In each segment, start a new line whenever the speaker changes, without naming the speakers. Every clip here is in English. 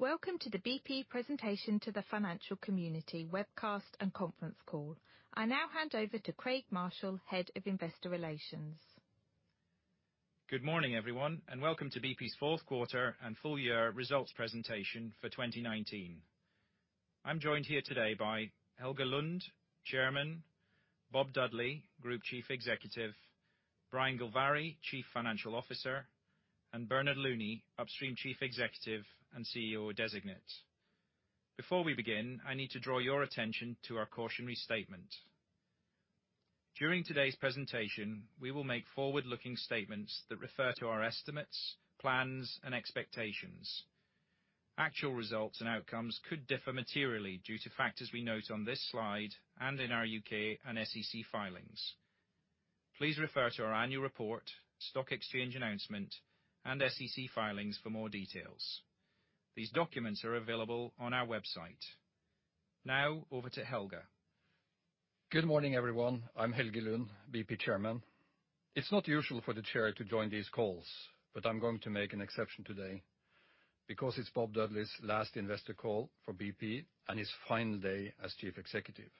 Welcome to the BP presentation to the financial community webcast and conference call. I now hand over to Craig Marshall, Head of Investor Relations.
Good morning, everyone, and welcome to BP's fourth quarter and full year results presentation for 2019. I'm joined here today by Helge Lund, Chairman, Bob Dudley, Group Chief Executive, Brian Gilvary, Chief Financial Officer, and Bernard Looney, Upstream Chief Executive and CEO designate. Before we begin, I need to draw your attention to our cautionary statement. During today's presentation, we will make forward-looking statements that refer to our estimates, plans, and expectations. Actual results and outcomes could differ materially due to factors we note on this slide and in our U.K. and SEC filings. Please refer to our annual report, stock exchange announcement, and SEC filings for more details. These documents are available on our website. Over to Helge.
Good morning, everyone. I'm Helge Lund, BP Chairman. It's not usual for the chair to join these calls, but I'm going to make an exception today because it's Bob Dudley's last investor call for BP and his final day as Chief Executive.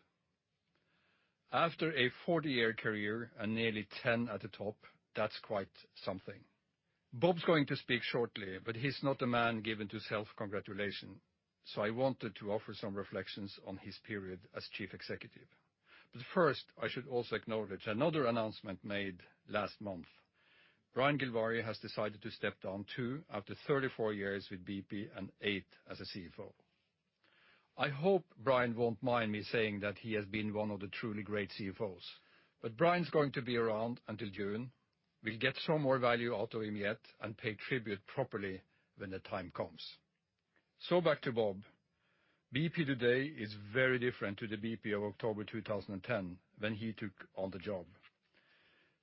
After a 40-year career and nearly 10 at the top, that's quite something. Bob's going to speak shortly, but he's not a man given to self-congratulation, so I wanted to offer some reflections on his period as Chief Executive. First, I should also acknowledge another announcement made last month. Brian Gilvary has decided to step down, too, after 34 years with BP and eight as a CFO. I hope Brian won't mind me saying that he has been one of the truly great CFOs. Brian's going to be around until June. We'll get some more value out of him yet and pay tribute properly when the time comes. Back to Bob. BP today is very different to the BP of October 2010 when he took on the job.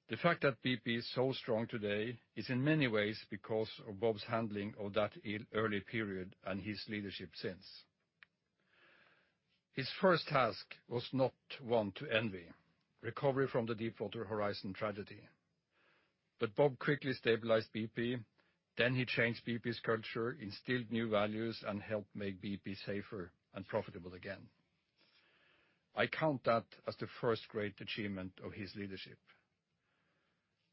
The fact that BP is so strong today is in many ways because of Bob's handling of that early period and his leadership since. His first task was not one to envy: recovery from the Deepwater Horizon tragedy. Bob quickly stabilized BP, then he changed BP's culture, instilled new values, and helped make BP safer and profitable again. I count that as the first great achievement of his leadership.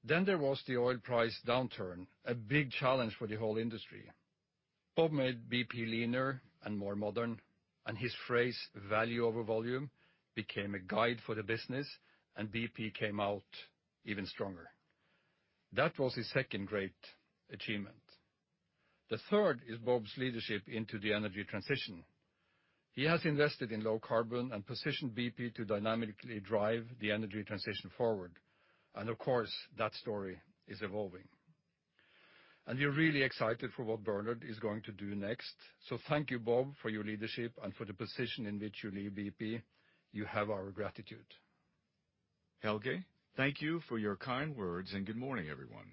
There was the oil price downturn, a big challenge for the whole industry. Bob made BP leaner and more modern, and his phrase "value over volume" became a guide for the business, and BP came out even stronger. That was his second great achievement. The third is Bob's leadership into the energy transition. He has invested in low carbon and positioned BP to dynamically drive the energy transition forward. Of course, that story is evolving. We're really excited for what Bernard is going to do next. Thank you, Bob, for your leadership and for the position in which you leave BP. You have our gratitude.
Helge, thank you for your kind words, and good morning, everyone.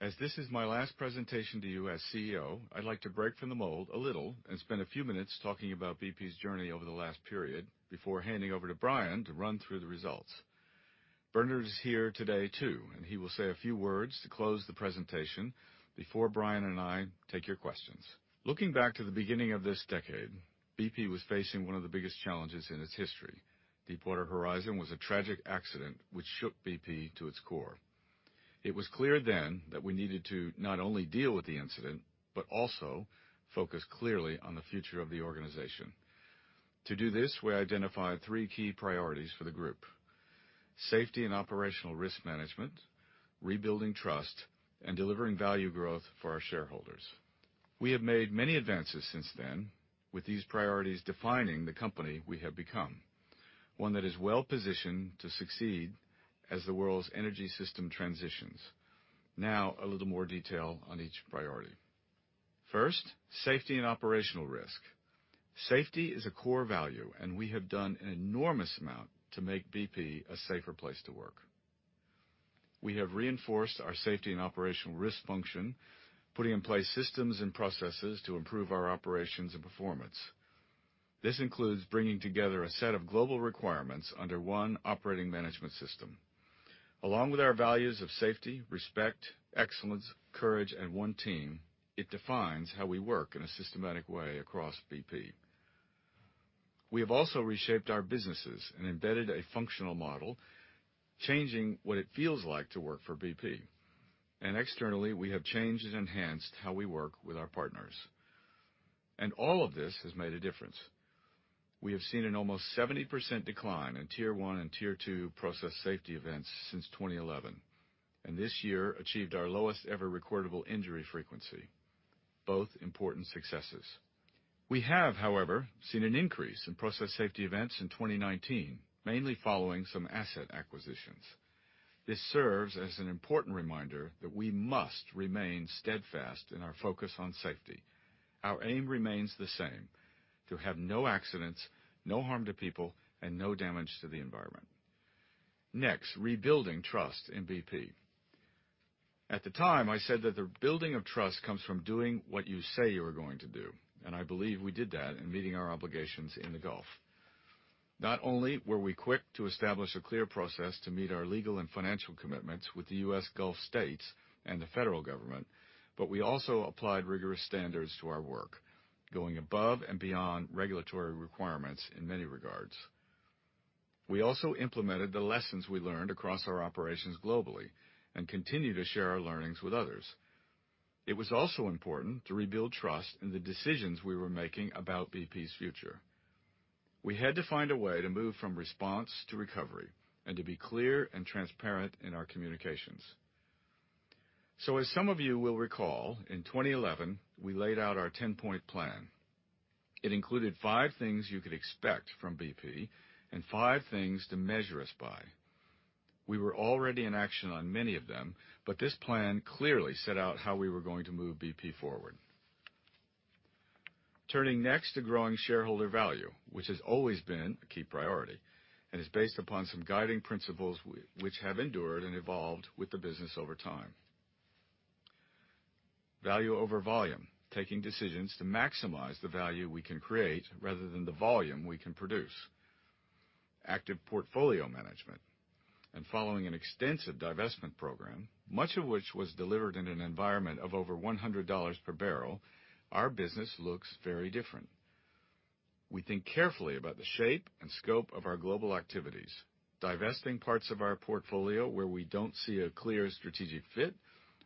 As this is my last presentation to you as CEO, I'd like to break from the mold a little and spend a few minutes talking about BP's journey over the last period before handing over to Brian to run through the results. Bernard is here today, too, and he will say a few words to close the presentation before Brian and I take your questions. Looking back to the beginning of this decade, BP was facing one of the biggest challenges in its history. Deepwater Horizon was a tragic accident, which shook BP to its core. It was clear then that we needed to not only deal with the incident, but also focus clearly on the future of the organization. To do this, we identified three key priorities for the group, safety and operational risk management, rebuilding trust, and delivering value growth for our shareholders. We have made many advances since then, with these priorities defining the company we have become, one that is well-positioned to succeed as the world's energy system transitions. A little more detail on each priority. First, safety and operational risk. Safety is a core value, and we have done an enormous amount to make BP a safer place to work. We have reinforced our safety and operational risk function, putting in place systems and processes to improve our operations and performance. This includes bringing together a set of global requirements under one operating management system. Along with our values of safety, respect, excellence, courage, and one team, it defines how we work in a systematic way across BP. We have also reshaped our businesses and embedded a functional model, changing what it feels like to work for BP. Externally, we have changed and enhanced how we work with our partners. All of this has made a difference. We have seen an almost 70% decline in tier 1 and tier 2 process safety events since 2011, and this year achieved our lowest-ever recordable injury frequency, both important successes. We have, however, seen an increase in process safety events in 2019, mainly following some asset acquisitions. This serves as an important reminder that we must remain steadfast in our focus on safety. Our aim remains the same, to have no accidents, no harm to people, and no damage to the environment. Next, rebuilding trust in BP. At the time, I said that the building of trust comes from doing what you say you are going to do. I believe we did that in meeting our obligations in the Gulf. Not only were we quick to establish a clear process to meet our legal and financial commitments with the U.S. Gulf States and the federal government, we also applied rigorous standards to our work, going above and beyond regulatory requirements in many regards. We also implemented the lessons we learned across our operations globally and continue to share our learnings with others. It was also important to rebuild trust in the decisions we were making about BP's future. We had to find a way to move from response to recovery and to be clear and transparent in our communications. As some of you will recall, in 2011, we laid out our 10-point plan. It included five things you could expect from BP and five things to measure us by. We were already in action on many of them. This plan clearly set out how we were going to move BP forward. Turning next to growing shareholder value, which has always been a key priority and is based upon some guiding principles which have endured and evolved with the business over time. Value over volume, taking decisions to maximize the value we can create rather than the volume we can produce. Active portfolio management. Following an extensive divestment program, much of which was delivered in an environment of over $100 per barrel, our business looks very different. We think carefully about the shape and scope of our global activities, divesting parts of our portfolio where we don't see a clear strategic fit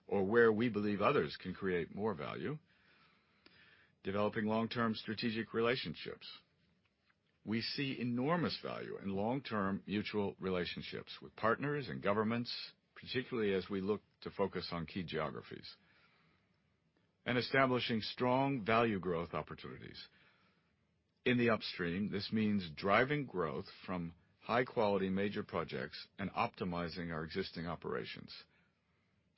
or where we believe others can create more value, developing long-term strategic relationships. We see enormous value in long-term mutual relationships with partners and governments, particularly as we look to focus on key geographies. Establishing strong value growth opportunities. In the upstream, this means driving growth from high-quality major projects and optimizing our existing operations.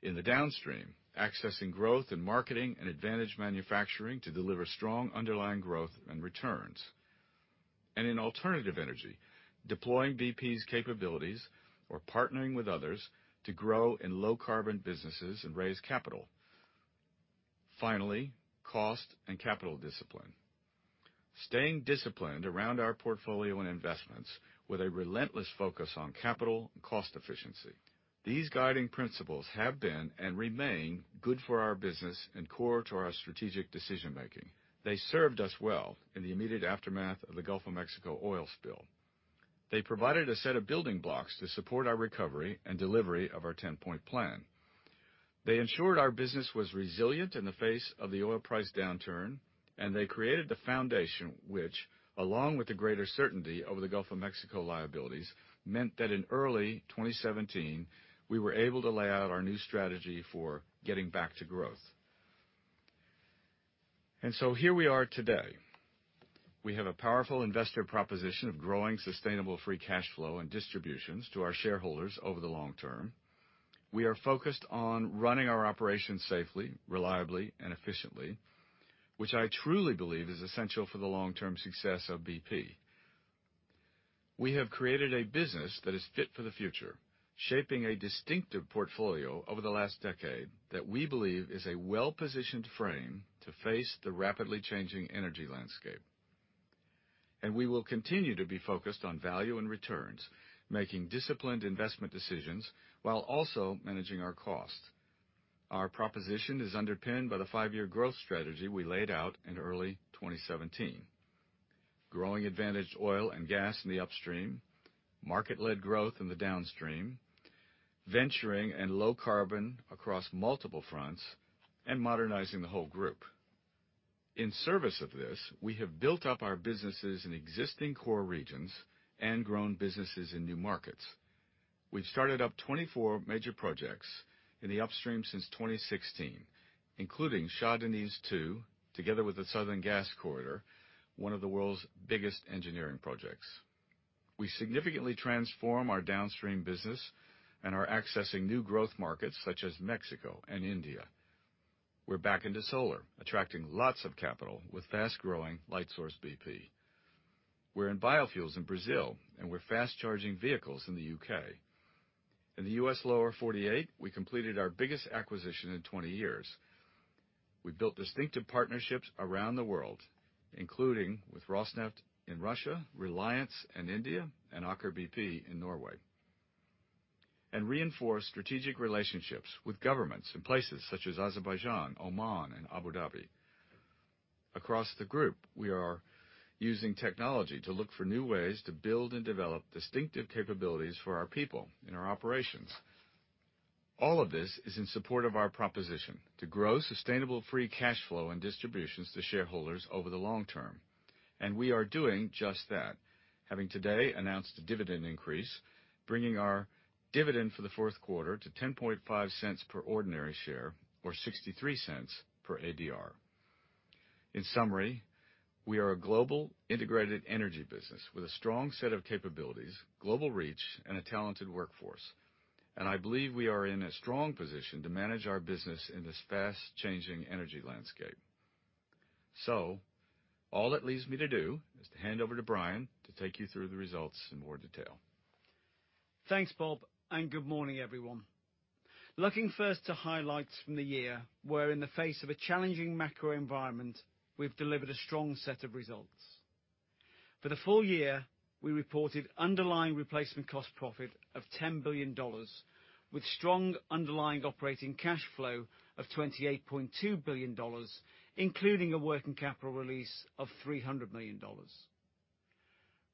In the downstream, accessing growth in marketing and advantage manufacturing to deliver strong underlying growth and returns. In alternative energy, deploying BP's capabilities or partnering with others to grow in low carbon businesses and raise capital. Finally, cost and capital discipline. Staying disciplined around our portfolio and investments with a relentless focus on capital and cost efficiency. These guiding principles have been and remain good for our business and core to our strategic decision making. They served us well in the immediate aftermath of the Gulf of Mexico oil spill. They provided a set of building blocks to support our recovery and delivery of our 10-point plan. They ensured our business was resilient in the face of the oil price downturn. They created the foundation which, along with the greater certainty over the Gulf of Mexico liabilities, meant that in early 2017, we were able to lay out our new strategy for getting back to growth. Here we are today. We have a powerful investor proposition of growing sustainable free cash flow and distributions to our shareholders over the long term. We are focused on running our operations safely, reliably, and efficiently, which I truly believe is essential for the long-term success of BP. We have created a business that is fit for the future, shaping a distinctive portfolio over the last decade that we believe is a well-positioned frame to face the rapidly changing energy landscape. We will continue to be focused on value and returns, making disciplined investment decisions while also managing our cost. Our proposition is underpinned by the five-year growth strategy we laid out in early 2017. Growing advantaged oil and gas in the upstream, market-led growth in the downstream, venturing in low carbon across multiple fronts, and modernizing the whole group. In service of this, we have built up our businesses in existing core regions and grown businesses in new markets. We've started up 24 major projects in the upstream since 2016, including Shah Deniz 2, together with the Southern Gas Corridor, one of the world's biggest engineering projects. We significantly transform our downstream business and are accessing new growth markets such as Mexico and India. We're back into solar, attracting lots of capital with fast-growing Lightsource bp. We're in biofuels in Brazil, and we're fast-charging vehicles in the U.K. In the U.S. Lower 48, we completed our biggest acquisition in 20 years. We built distinctive partnerships around the world, including with Rosneft in Russia, Reliance in India, and Aker BP in Norway, and reinforced strategic relationships with governments in places such as Azerbaijan, Oman, and Abu Dhabi. Across the group, we are using technology to look for new ways to build and develop distinctive capabilities for our people in our operations. All of this is in support of our proposition to grow sustainable free cash flow and distributions to shareholders over the long term. We are doing just that, having today announced a dividend increase, bringing our dividend for the fourth quarter to $0.105 per ordinary share or $0.63 per ADR. In summary, we are a global integrated energy business with a strong set of capabilities, global reach, and a talented workforce. I believe we are in a strong position to manage our business in this fast-changing energy landscape. All that leaves me to do is to hand over to Brian to take you through the results in more detail.
Thanks, Bob. Good morning, everyone. Looking first to highlights from the year, where in the face of a challenging macro environment, we've delivered a strong set of results. For the full year, we reported underlying replacement cost profit of $10 billion, with strong underlying operating cash flow of $28.2 billion, including a working capital release of $300 million.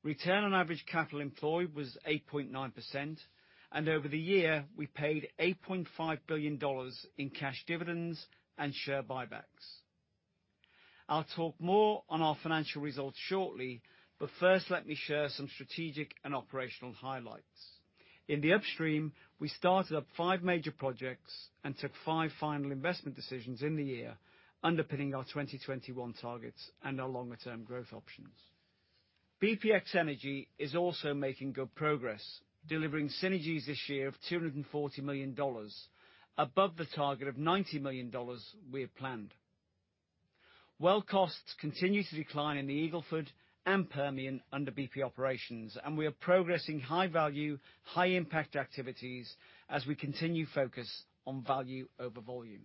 Return on average capital employed was 8.9%. Over the year, we paid $8.5 billion in cash dividends and share buybacks. I'll talk more on our financial results shortly. First, let me share some strategic and operational highlights. In the upstream, we started up five major projects and took five final investment decisions in the year, underpinning our 2021 targets and our longer term growth options. Bpx energy is also making good progress, delivering synergies this year of $240 million above the target of $90 million we had planned. Well costs continue to decline in the Eagle Ford and Permian under BP operations, and we are progressing high-value, high-impact activities as we continue focus on value over volume.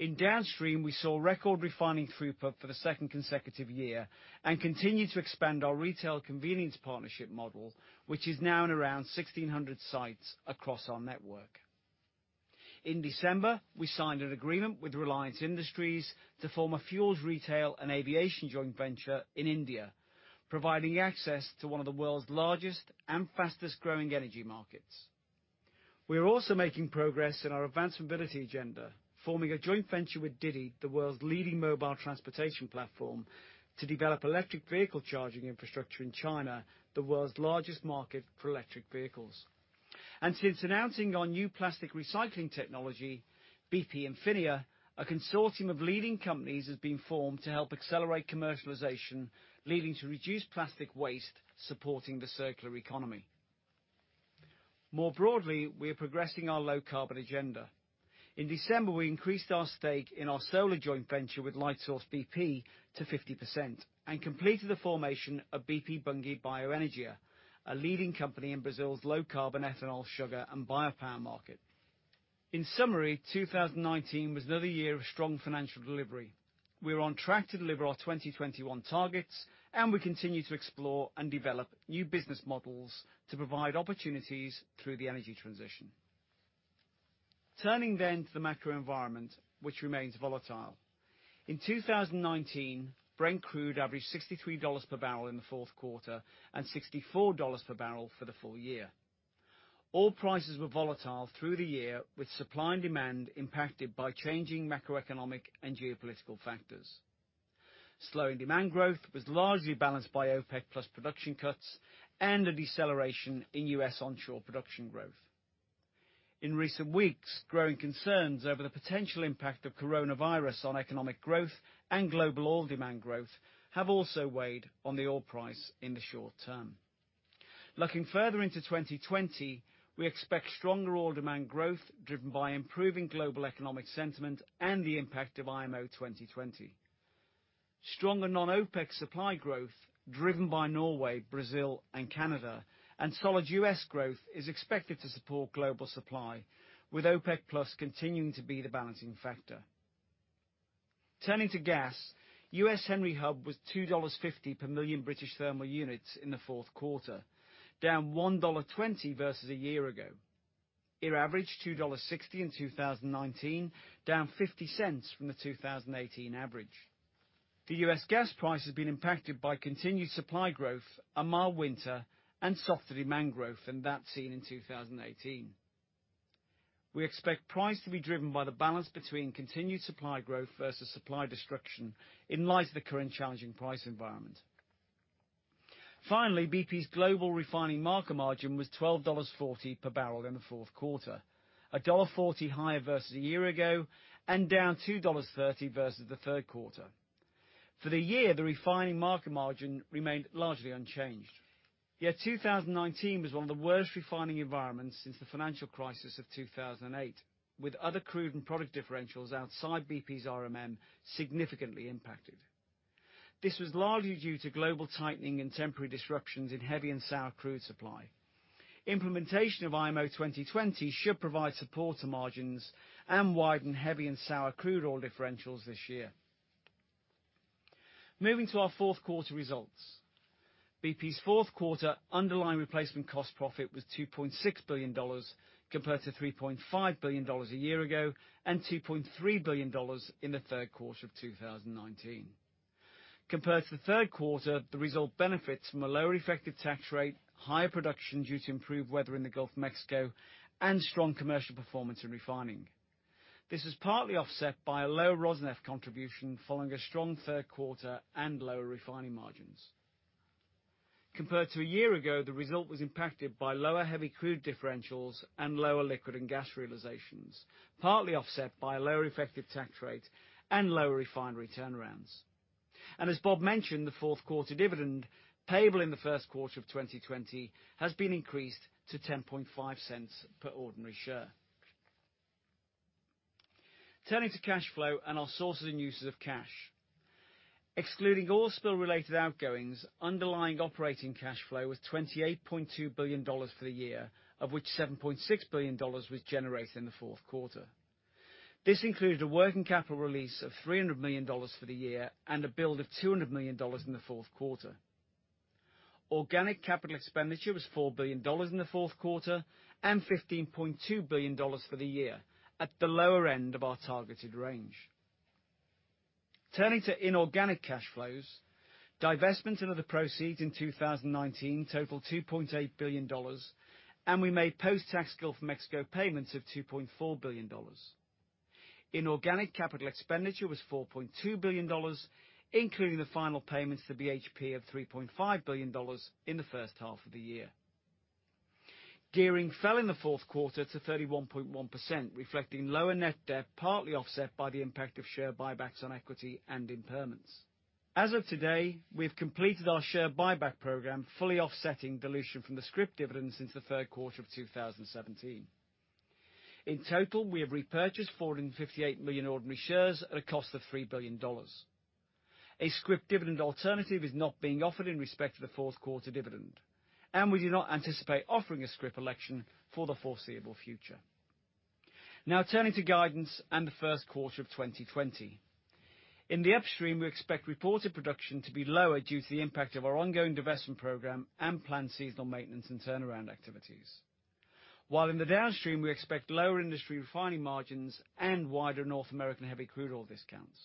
In downstream, we saw record refining throughput for the second consecutive year and continue to expand our retail convenience partnership model, which is now in around 1,600 sites across our network. In December, we signed an agreement with Reliance Industries to form a fuels retail and aviation joint venture in India, providing access to one of the world's largest and fastest-growing energy markets. We are also making progress in our advanced mobility agenda, forming a joint venture with DiDi, the world's leading mobile transportation platform, to develop electric vehicle charging infrastructure in China, the world's largest market for electric vehicles. Since announcing our new plastic recycling technology, BP Infinia, a consortium of leading companies has been formed to help accelerate commercialization, leading to reduced plastic waste supporting the circular economy. More broadly, we are progressing our low carbon agenda. In December, we increased our stake in our solar joint venture with Lightsource bp to 50% and completed the formation of BP Bunge Bioenergia, a leading company in Brazil's low carbon ethanol, sugar, and bio power market. In summary, 2019 was another year of strong financial delivery. We're on track to deliver our 2021 targets, and we continue to explore and develop new business models to provide opportunities through the energy transition. Turning then to the macro environment, which remains volatile. In 2019, Brent crude averaged $63 per barrel in the fourth quarter and $64 per barrel for the full year. Oil prices were volatile through the year, with supply and demand impacted by changing macroeconomic and geopolitical factors. Slowing demand growth was largely balanced by OPEC+ production cuts and a deceleration in U.S. onshore production growth. In recent weeks, growing concerns over the potential impact of coronavirus on economic growth and global oil demand growth have also weighed on the oil price in the short term. Looking further into 2020, we expect stronger oil demand growth driven by improving global economic sentiment and the impact of IMO 2020. Stronger non-OPEC supply growth driven by Norway, Brazil, and Canada, and solid U.S. growth is expected to support global supply, with OPEC+ continuing to be the balancing factor. Turning to gas, U.S. Henry Hub was $2.50 per million British thermal units in the fourth quarter, down $1.20 versus a year ago. It averaged $2.60 in 2019, down $0.50 from the 2018 average. The U.S. gas price has been impacted by continued supply growth, a mild winter, and softer demand growth than that seen in 2018. We expect price to be driven by the balance between continued supply growth versus supply destruction in light of the current challenging price environment. Finally, BP's global refining market margin was $12.40 per barrel in the fourth quarter, $1.40 higher versus a year ago and down $2.30 versus the third quarter. For the year, the refining market margin remained largely unchanged. Yet 2019 was one of the worst refining environments since the financial crisis of 2008, with other crude and product differentials outside BP's RMM significantly impacted. This was largely due to global tightening and temporary disruptions in heavy and sour crude supply. Implementation of IMO 2020 should provide support to margins and widen heavy and sour crude oil differentials this year. Moving to our fourth quarter results. BP's fourth quarter underlying replacement cost profit was $2.6 billion compared to $3.5 billion a year ago and $2.3 billion in the third quarter of 2019. Compared to the third quarter, the result benefits from a lower effective tax rate, higher production due to improved weather in the Gulf of Mexico, and strong commercial performance in refining. This was partly offset by a lower Rosneft contribution following a strong third quarter and lower refining margins. Compared to a year ago, the result was impacted by lower heavy crude differentials and lower liquid and gas realizations, partly offset by a lower effective tax rate and lower refinery turnarounds. As Bob mentioned, the fourth quarter dividend payable in the first quarter of 2020 has been increased to $0.105 per ordinary share. Turning to cash flow and our sources and uses of cash. Excluding oil spill-related outgoings, underlying operating cash flow was $28.2 billion for the year, of which $7.6 billion was generated in the fourth quarter. This included a working capital release of $300 million for the year and a build of $200 million in the fourth quarter. Organic capital expenditure was $4 billion in the fourth quarter and $15.2 billion for the year, at the lower end of our targeted range. Turning to inorganic cash flows, divestments and other proceeds in 2019 totaled $2.8 billion, and we made post-tax Gulf of Mexico payments of $2.4 billion. Inorganic capital expenditure was $4.2 billion, including the final payments to BHP of $3.5 billion in the first half of the year. Gearing fell in the fourth quarter to 31.1%, reflecting lower net debt, partly offset by the impact of share buybacks on equity and impairments. As of today, we have completed our share buyback program, fully offsetting dilution from the scrip dividends since the third quarter of 2017. In total, we have repurchased 458 million ordinary shares at a cost of $3 billion. A scrip dividend alternative is not being offered in respect of the fourth quarter dividend, and we do not anticipate offering a scrip election for the foreseeable future. Now turning to guidance and the first quarter of 2020. In the Upstream, we expect reported production to be lower due to the impact of our ongoing divestment program and planned seasonal maintenance and turnaround activities. While in the downstream, we expect lower industry refining margins and wider North American heavy crude oil discounts.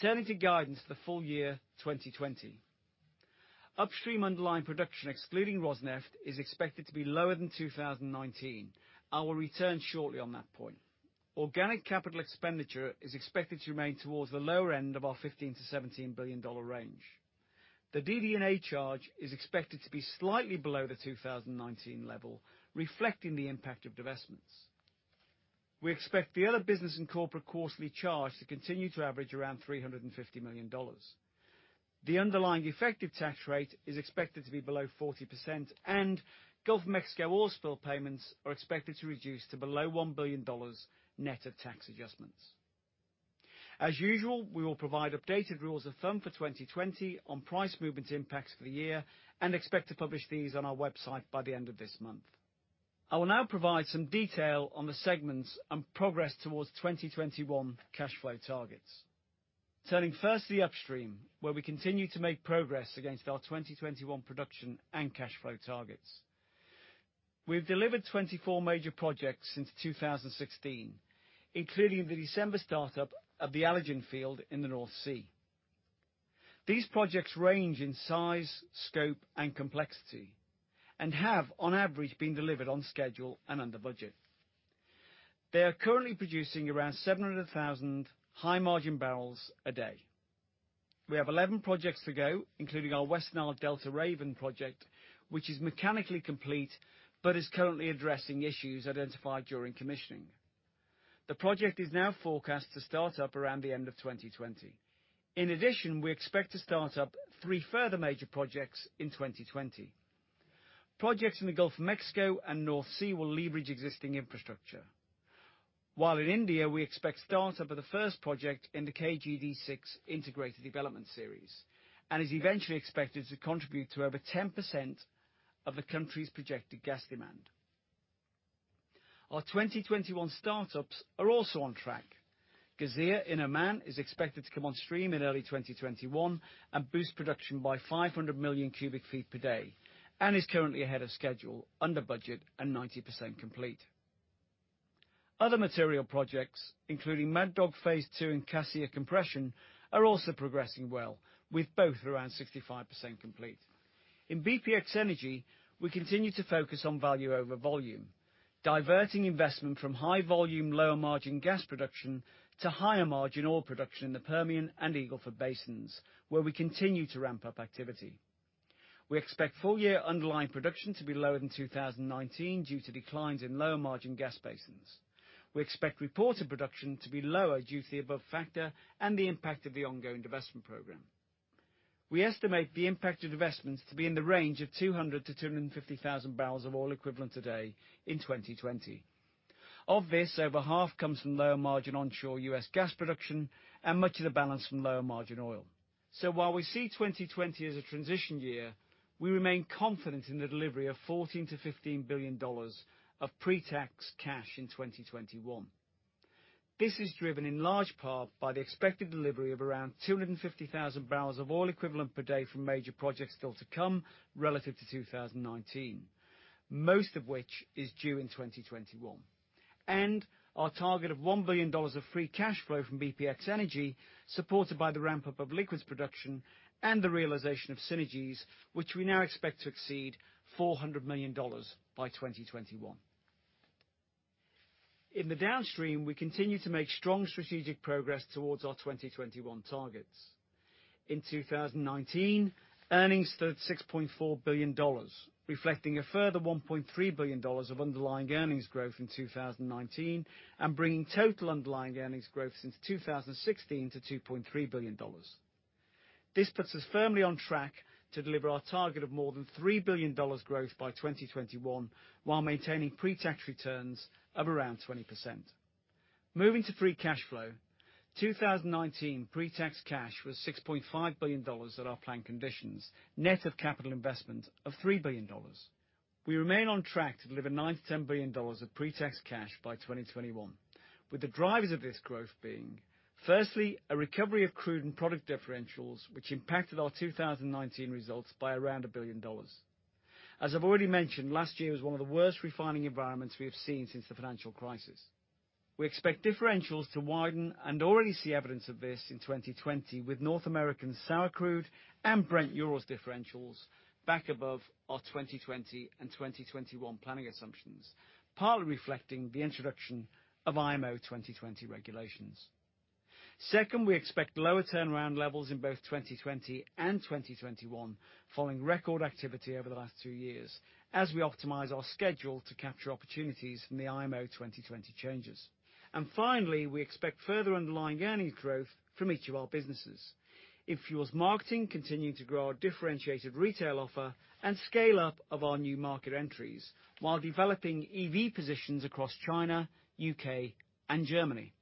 Turning to guidance for the full year 2020. Upstream underlying production, excluding Rosneft, is expected to be lower than 2019. I will return shortly on that point. Organic capital expenditure is expected to remain towards the lower end of our $15 billion-$17 billion range. The DD&A charge is expected to be slightly below the 2019 level, reflecting the impact of divestments. We expect the other business and corporate quarterly charge to continue to average around $350 million. The underlying effective tax rate is expected to be below 40%, and Gulf of Mexico oil spill payments are expected to reduce to below $1 billion, net of tax adjustments. As usual, we will provide updated rules of thumb for 2020 on price movement impacts for the year and expect to publish these on our website by the end of this month. I will now provide some detail on the segments and progress towards 2021 cash flow targets. Turning first to the upstream, where we continue to make progress against our 2021 production and cash flow targets. We've delivered 24 major projects since 2016, including the December startup of the Alligin Field in the North Sea. These projects range in size, scope, and complexity and have, on average, been delivered on schedule and under budget. They are currently producing around 700,000 high-margin barrels a day. We have 11 projects to go, including our West Nile Delta Raven project, which is mechanically complete but is currently addressing issues identified during commissioning. The project is now forecast to start up around the end of 2020. In addition, we expect to start up three further major projects in 2020. Projects in the Gulf of Mexico and North Sea will leverage existing infrastructure. While in India, we expect startup of the first project in the KGD6 integrated development series, and is eventually expected to contribute to over 10% of the country's projected gas demand. Our 2021 startups are also on track. Khazzan in Oman is expected to come on stream in early 2021 and boost production by 500 million cubic feet per day, and is currently ahead of schedule, under budget, and 90% complete. Other material projects, including Mad Dog phase II and Cassia Compression, are also progressing well, with both around 65% complete. In bpx energy, we continue to focus on value over volume, diverting investment from high-volume, lower-margin gas production to higher-margin oil production in the Permian and Eagle Ford basins, where we continue to ramp up activity. We expect full-year underlying production to be lower than 2019 due to declines in lower-margin gas basins. We expect reported production to be lower due to the above factor and the impact of the ongoing divestment program. We estimate the impact of divestments to be in the range of 200,000 bbl-250,000 bbl of oil equivalent a day in 2020. Of this, over half comes from lower-margin onshore U.S. gas production and much of the balance from lower-margin oil. While we see 2020 as a transition year, we remain confident in the delivery of $14 billion-$15 billion of pre-tax cash in 2021. This is driven in large part by the expected delivery of around 250,000 bbl of oil equivalent per day from major projects still to come relative to 2019, most of which is due in 2021. Our target of $1 billion of free cash flow from bpx energy, supported by the ramp-up of liquids production and the realization of synergies, which we now expect to exceed $400 million by 2021. In the Downstream, we continue to make strong strategic progress towards our 2021 targets. In 2019, earnings stood at $6.4 billion, reflecting a further $1.3 billion of underlying earnings growth in 2019 and bringing total underlying earnings growth since 2016 to $2.3 billion. This puts us firmly on track to deliver our target of more than $3 billion growth by 2021, while maintaining pre-tax returns of around 20%. Moving to free cash flow, 2019 pre-tax cash was $6.5 billion at our planned conditions, net of capital investment of $3 billion. We remain on track to deliver $9 billion-$10 billion of pre-tax cash by 2021, with the drivers of this growth being, firstly, a recovery of crude and product differentials, which impacted our 2019 results by around $1 billion. As I've already mentioned, last year was one of the worst refining environments we have seen since the financial crisis. We expect differentials to widen and already see evidence of this in 2020 with North American sour crude and Brent-Urals differentials back above our 2020 and 2021 planning assumptions, partly reflecting the introduction of IMO 2020 regulations. Second, we expect lower turnaround levels in both 2020 and 2021 following record activity over the last two years, as we optimize our schedule to capture opportunities from the IMO 2020 changes. Finally, we expect further underlying earnings growth from each of our businesses. In fuels marketing, continuing to grow our differentiated retail offer and scale-up of our new market entries while developing EV positions across China, U.K., and Germany.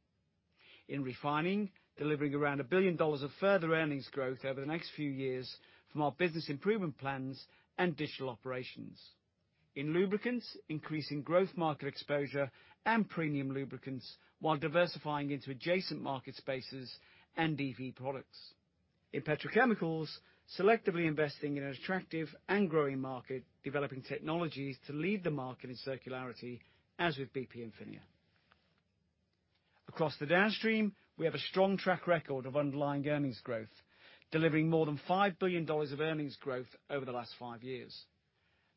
In refining, delivering around $1 billion of further earnings growth over the next few years from our business improvement plans and digital operations. In lubricants, increasing growth market exposure and premium lubricants while diversifying into adjacent market spaces and EV products. In petrochemicals, selectively investing in an attractive and growing market, developing technologies to lead the market in circularity, as with BP Infinia. Across the downstream, we have a strong track record of underlying earnings growth, delivering more than $5 billion of earnings growth over the last five years.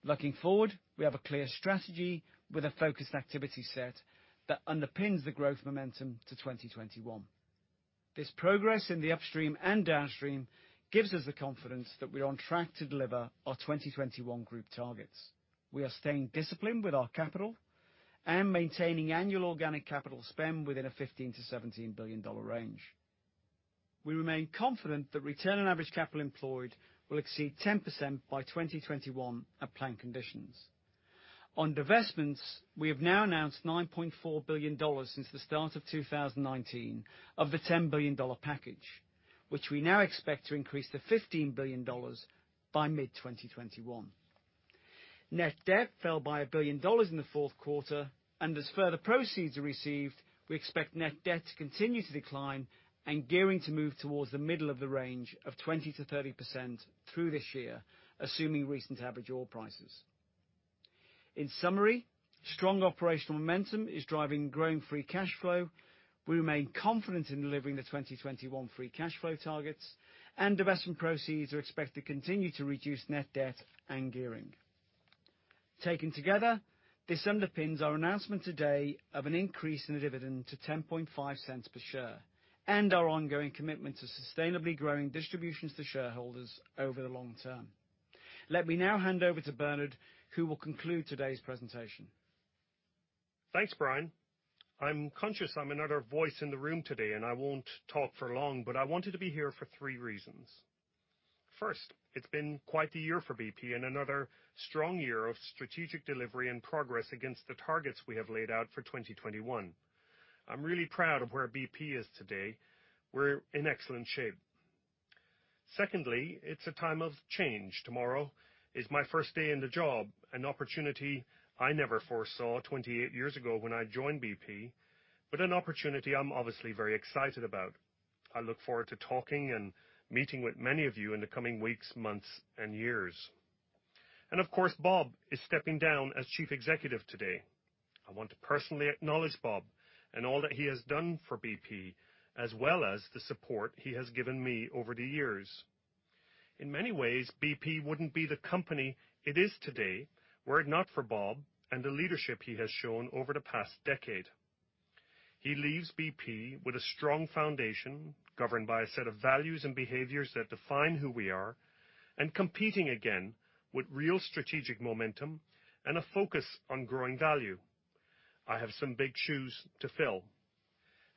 Looking forward, we have a clear strategy with a focused activity set that underpins the growth momentum to 2021. This progress in the upstream and downstream gives us the confidence that we're on track to deliver our 2021 group targets. We are staying disciplined with our capital and maintaining annual organic capital spend within a $15 billion-$17 billion range. We remain confident that return on average capital employed will exceed 10% by 2021 at planned conditions. On divestments, we have now announced $9.4 billion since the start of 2019 of the $10 billion package, which we now expect to increase to $15 billion by mid-2021. Net debt fell by $1 billion in the fourth quarter. As further proceeds are received, we expect net debt to continue to decline and gearing to move towards the middle of the range of 20%-30% through this year, assuming recent average oil prices. In summary, strong operational momentum is driving growing free cash flow. We remain confident in delivering the 2021 free cash flow targets. Divestment proceeds are expected to continue to reduce net debt and gearing. Taken together, this underpins our announcement today of an increase in the dividend to $0.105 per share and our ongoing commitment to sustainably growing distributions to shareholders over the long term. Let me now hand over to Bernard, who will conclude today's presentation.
Thanks, Brian. I'm conscious I'm another voice in the room today, and I won't talk for long, but I wanted to be here for three reasons. First, it's been quite the year for BP and another strong year of strategic delivery and progress against the targets we have laid out for 2021. I'm really proud of where BP is today. We're in excellent shape. Secondly, it's a time of change. Tomorrow is my first day in the job, an opportunity I never foresaw 28 years ago when I joined BP, but an opportunity I'm obviously very excited about. I look forward to talking and meeting with many of you in the coming weeks, months, and years. Of course, Bob is stepping down as Chief Executive today. I want to personally acknowledge Bob and all that he has done for BP, as well as the support he has given me over the years. In many ways, BP wouldn't be the company it is today were it not for Bob and the leadership he has shown over the past decade. He leaves BP with a strong foundation, governed by a set of values and behaviors that define who we are, and competing again with real strategic momentum and a focus on growing value. I have some big shoes to fill.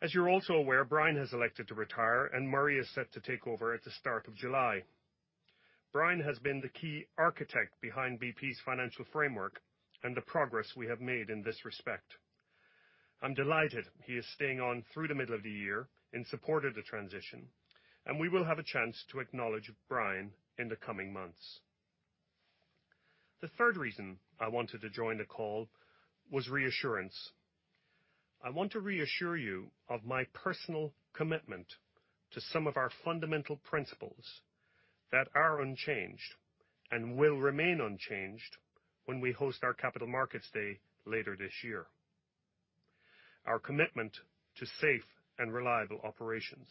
As you're also aware, Brian has elected to retire, and Murray is set to take over at the start of July. Brian has been the key architect behind BP's financial framework and the progress we have made in this respect. I'm delighted he is staying on through the middle of the year in support of the transition, and we will have a chance to acknowledge Brian in the coming months. The third reason I wanted to join the call was reassurance. I want to reassure you of my personal commitment to some of our fundamental principles that are unchanged and will remain unchanged when we host our Capital Markets Day later this year. Our commitment to safe and reliable operations.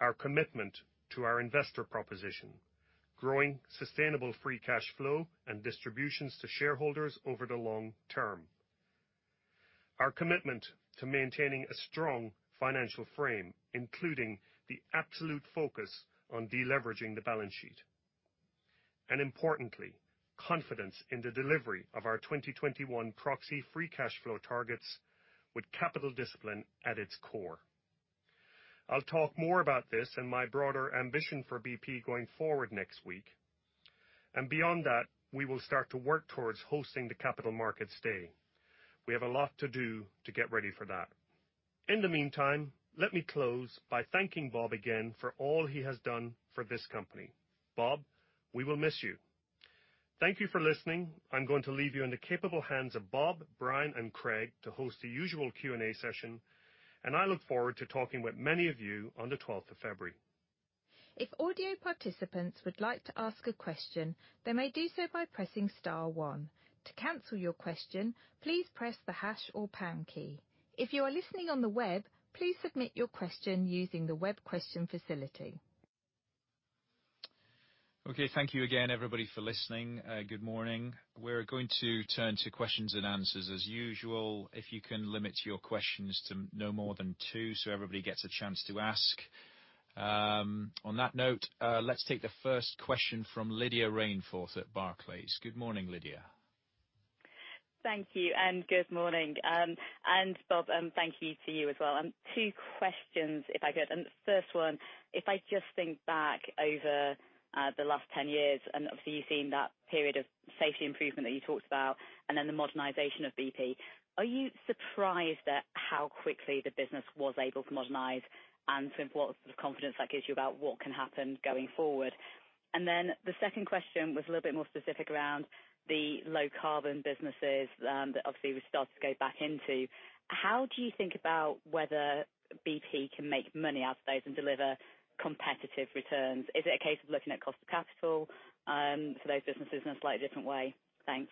Our commitment to our investor proposition, growing sustainable free cash flow and distributions to shareholders over the long term. Our commitment to maintaining a strong financial frame, including the absolute focus on deleveraging the balance sheet. Importantly, confidence in the delivery of our 2021 proxy free cash flow targets with capital discipline at its core. I'll talk more about this and my broader ambition for BP going forward next week. Beyond that, we will start to work towards hosting the capital markets day. We have a lot to do to get ready for that. In the meantime, let me close by thanking Bob again for all he has done for this company. Bob, we will miss you. Thank you for listening. I'm going to leave you in the capable hands of Bob, Brian, and Craig to host the usual Q&A session, and I look forward to talking with many of you on the 12th of February 2020.
If audio participants would like to ask a question, they may do so by pressing star one. To cancel your question, please press the hash or pound key. If you are listening on the web, please submit your question using the web question facility.
Okay, thank you again, everybody, for listening. Good morning. We're going to turn to questions and answers as usual. If you can limit your questions to no more than two, so everybody gets a chance to ask. On that note, let's take the first question from Lydia Rainforth at Barclays. Good morning, Lydia.
Thank you. Good morning. Bob, thank you to you as well. Two questions if I could. The first one, if I just think back over the last 10 years, and obviously you've seen that period of safety improvement that you talked about and then the modernization of BP. Are you surprised at how quickly the business was able to modernize and to what sort of confidence that gives you about what can happen going forward? The second question was a little bit more specific around the low-carbon businesses that obviously we've started to go back into. How do you think about whether BP can make money out of those and deliver competitive returns? Is it a case of looking at cost of capital for those businesses in a slightly different way? Thanks.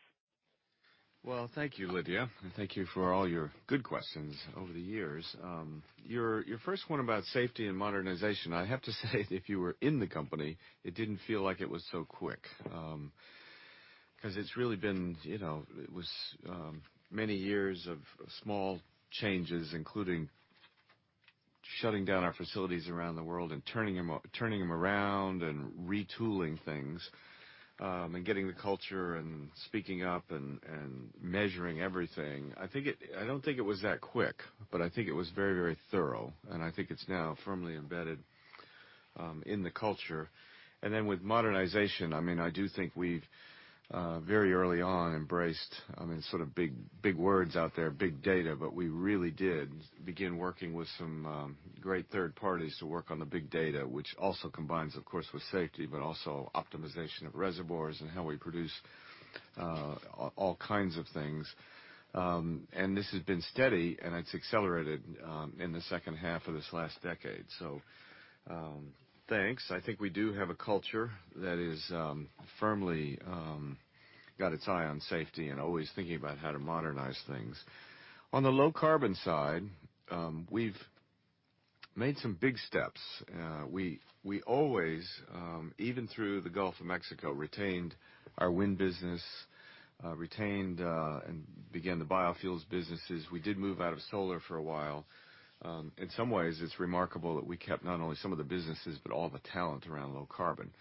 Well, thank you, Lydia. Thank you for all your good questions over the years. Your first one about safety and modernization, I have to say if you were in the company, it didn't feel like it was so quick. It was many years of small changes, including shutting down our facilities around the world and turning them around and retooling things, and getting the culture and speaking up and measuring everything. I don't think it was that quick, I think it was very, very thorough, and I think it's now firmly embedded in the culture. With modernization, I do think we've very early on embraced, sort of big words out there, big data, but we really did begin working with some great third parties to work on the big data, which also combines, of course, with safety, but also optimization of reservoirs and how we produce all kinds of things. This has been steady, and it's accelerated in the second half of this last decade. Thanks. I think we do have a culture that is firmly got its eye on safety and always thinking about how to modernize things. On the low-carbon side, we've made some big steps. We always, even through the Gulf of Mexico, retained our wind business, retained and began the biofuels businesses. We did move out of solar for a while. In some ways, it's remarkable that we kept not only some of the businesses, but all the talent around low carbon.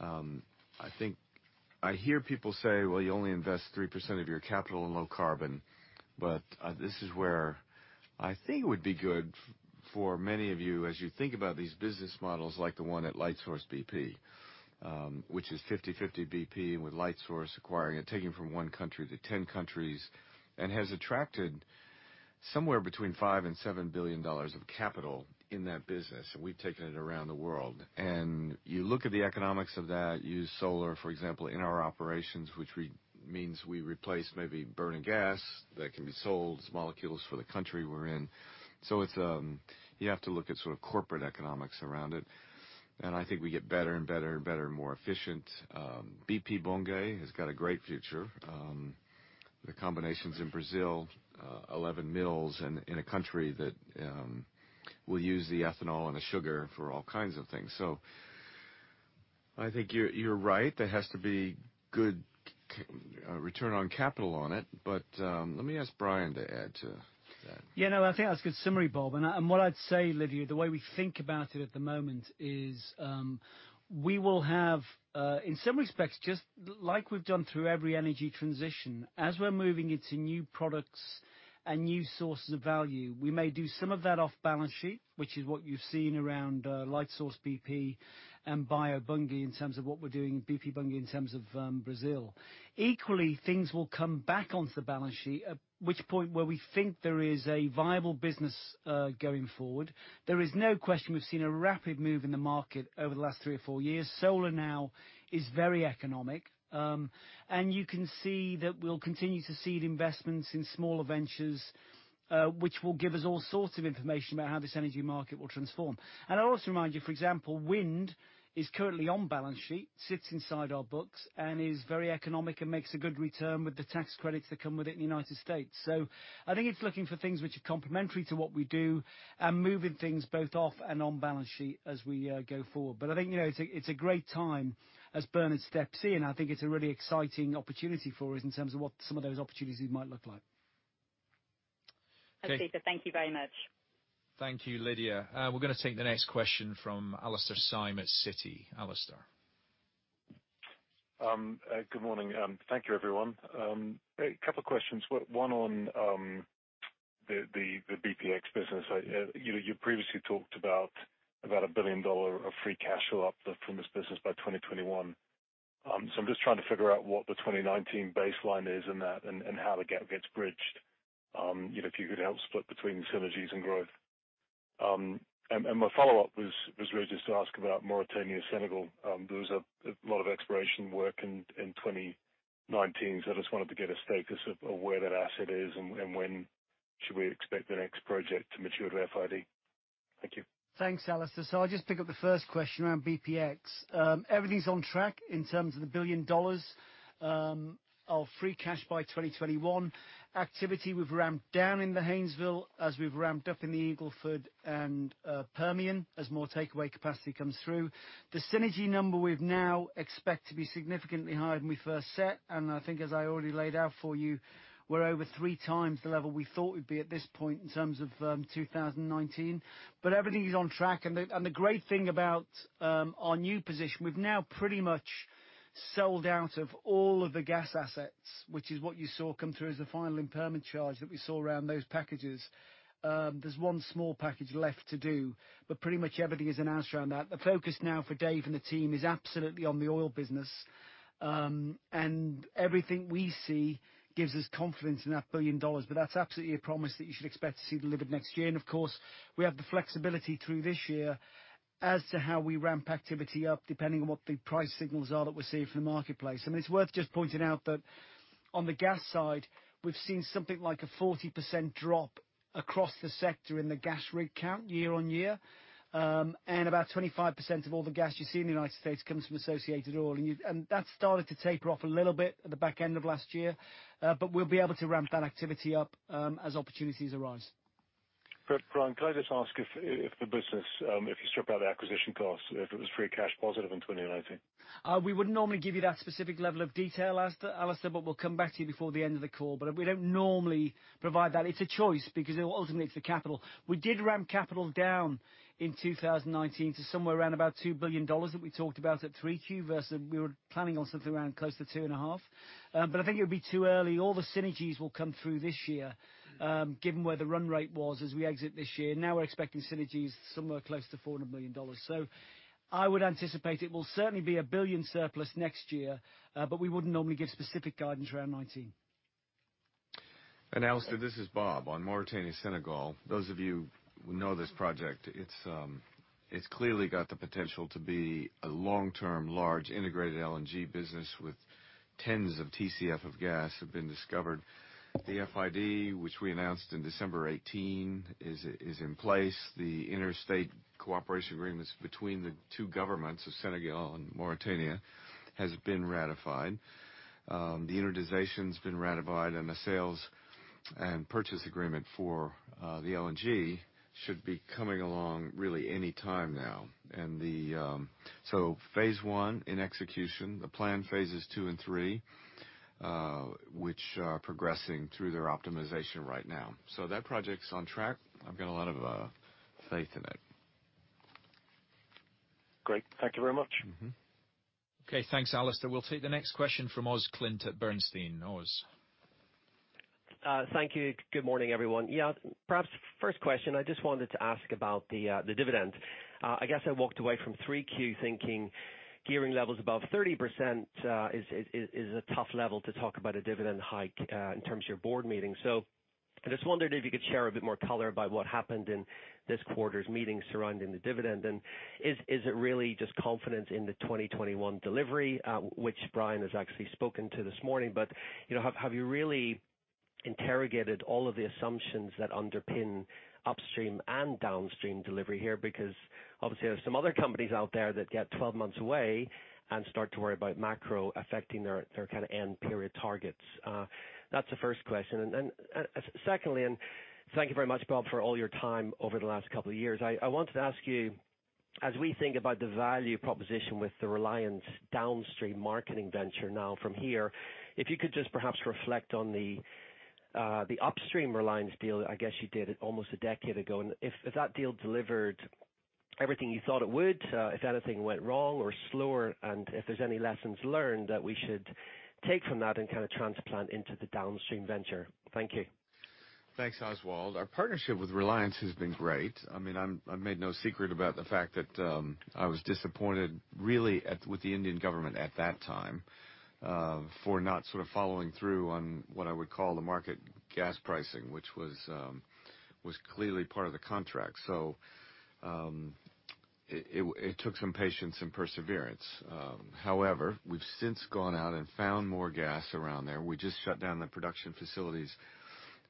I hear people say, "Well, you only invest 3% of your capital in low carbon." This is where I think it would be good for many of you as you think about these business models like the one at Lightsource BP, which is 50/50 BP, with Lightsource acquiring it, taking it from one country to 10 countries, and has attracted somewhere between $5 billion and $7 billion of capital in that business, and we've taken it around the world. You look at the economics of that, use solar, for example, in our operations, which means we replace maybe burning gas that can be sold as molecules for the country we're in. You have to look at sort of corporate economics around it, and I think we get better and better and better and more efficient. BP Bunge has got a great future. The combinations in Brazil, 11 mills in a country that will use the ethanol and the sugar for all kinds of things. I think you're right. There has to be good return on capital on it. Let me ask Brian to add to that.
Yeah, no, I think that's a good summary, Bob. What I'd say, Lydia, the way we think about it at the moment is, we will have, in some respects, just like we've done through every energy transition, as we're moving into new products and new sources of value, we may do some of that off balance sheet, which is what you've seen around Lightsource bp and BP Bunge in terms of what we're doing, BP Bunge in terms of Brazil. Equally, things will come back onto the balance sheet, at which point where we think there is a viable business going forward. There is no question we've seen a rapid move in the market over the last three or four years. Solar now is very economic. You can see that we'll continue to seed investments in smaller ventures, which will give us all sorts of information about how this energy market will transform. I'll also remind you, for example, wind is currently on balance sheet, sits inside our books, and is very economic and makes a good return with the tax credits that come with it in the United States. I think it's looking for things which are complementary to what we do and moving things both off and on balance sheet as we go forward. I think it's a great time as Bernard steps in. I think it's a really exciting opportunity for us in terms of what some of those opportunities might look like.
That's it, sir. Thank you very much.
Thank you, Lydia. We're going to take the next question from Alastair Syme at Citi. Alastair.
Good morning. Thank you, everyone. A couple of questions. One on the bpx business. You previously talked about a $1 billion of free cash flow uplift from this business by 2021. I'm just trying to figure out what the 2019 baseline is in that, and how the gap gets bridged. If you could help split between synergies and growth. My follow-up was really just to ask about Mauritania-Senegal. There was a lot of exploration work in 2019, I just wanted to get a status of where that asset is and when should we expect the next project to mature to FID. Thank you.
Thanks, Alastair. I'll just pick up the first question around bpx. Everything's on track in terms of the GBP 1 billion of free cash by 2021. Activity, we've ramped down in the Haynesville as we've ramped up in the Eagle Ford and Permian, as more takeaway capacity comes through. The synergy number we now expect to be significantly higher than we first set, and I think as I already laid out for you, we're over three times the level we thought we'd be at this point in terms of 2019. Everything is on track. The great thing about our new position, we've now pretty much sold out of all of the gas assets, which is what you saw come through as the final impairment charge that we saw around those packages. There's one small package left to do, but pretty much everything is announced around that. The focus now for Dave and the team is absolutely on the oil business. Everything we see gives us confidence in that $1 billion, but that's absolutely a promise that you should expect to see delivered next year. Of course, we have the flexibility through this year as to how we ramp activity up depending on what the price signals are that we're seeing from the marketplace. I mean, it's worth just pointing out that on the gas side, we've seen something like a 40% drop across the sector in the gas rig count year-on-year. About 25% of all the gas you see in the U.S. comes from associated oil. That started to taper off a little bit at the back end of last year. We'll be able to ramp that activity up as opportunities arise.
Brian, can I just ask if the business, if you strip out the acquisition costs, if it was free cash positive in 2019?
We wouldn't normally give you that specific level of detail, Alastair. We'll come back to you before the end of the call. We don't normally provide that. It's a choice, because ultimately it's the capital. We did ramp capital down in 2019 to somewhere around about $2 billion that we talked about at 3Q versus we were planning on something around close to $2.5 billion. I think it would be too early. All the synergies will come through this year. Given where the run rate was as we exit this year, now we're expecting synergies somewhere close to $400 million. I would anticipate it will certainly be a $1 billion surplus next year. We wouldn't normally give specific guidance around 2019.
Alastair, this is Bob. On Mauritania-Senegal, those of you who know this project, it's clearly got the potential to be a long-term, large integrated LNG business with tens of TCF of gas have been discovered. The FID, which we announced in December 2018, is in place. The interstate cooperation agreements between the two governments of Senegal and Mauritania has been ratified. The unitization's been ratified and the sales and purchase agreement for the LNG should be coming along really any time now. Phase I in execution. The plan phases II and phase III which are progressing through their optimization right now. That project's on track. I've got a lot of faith in it.
Great. Thank you very much.
Okay. Thanks, Alastair. We'll take the next question from Oz Clint at Bernstein. Oz.
Thank you. Good morning, everyone. Perhaps first question, I just wanted to ask about the dividend. I guess I walked away from 3Q thinking gearing levels above 30% is a tough level to talk about a dividend hike in terms of your board meeting. I just wondered if you could share a bit more color about what happened in this quarter's meetings surrounding the dividend. Is it really just confidence in the 2021 delivery? Which Brian has actually spoken to this morning, have you really interrogated all of the assumptions that underpin upstream and downstream delivery here? Obviously there's some other companies out there that get 12 months away and start to worry about macro affecting their end period targets. That's the first question. Secondly, thank you very much, Bob, for all your time over the last couple of years. I wanted to ask you, as we think about the value proposition with the Reliance downstream marketing venture now from here, if you could just perhaps reflect on the Upstream Reliance deal, I guess you did it almost a decade ago. If that deal delivered everything you thought it would, if anything went wrong or slower, and if there's any lessons learned that we should take from that and transplant into the downstream venture? Thank you.
Thanks, Oswald. Our partnership with Reliance has been great. I've made no secret about the fact that I was disappointed really with the Indian government at that time for not sort of following through on what I would call the market gas pricing, which was clearly part of the contract. It took some patience and perseverance. However, we've since gone out and found more gas around there. We just shut down the production facilities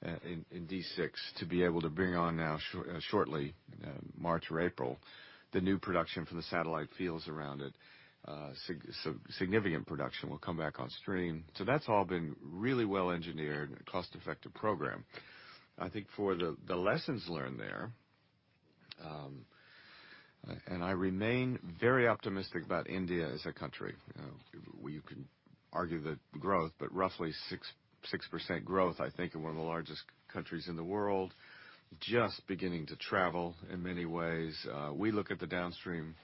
in D6 to be able to bring on now shortly, March or April, the new production from the satellite fields around it. Significant production will come back on stream. That's all been really well engineered and a cost-effective program. I think for the lessons learned there. I remain very optimistic about India as a country. Where you can argue the growth, but roughly 6% growth, I think, in one of the largest countries in the world, just beginning to travel in many ways. We look at the downstream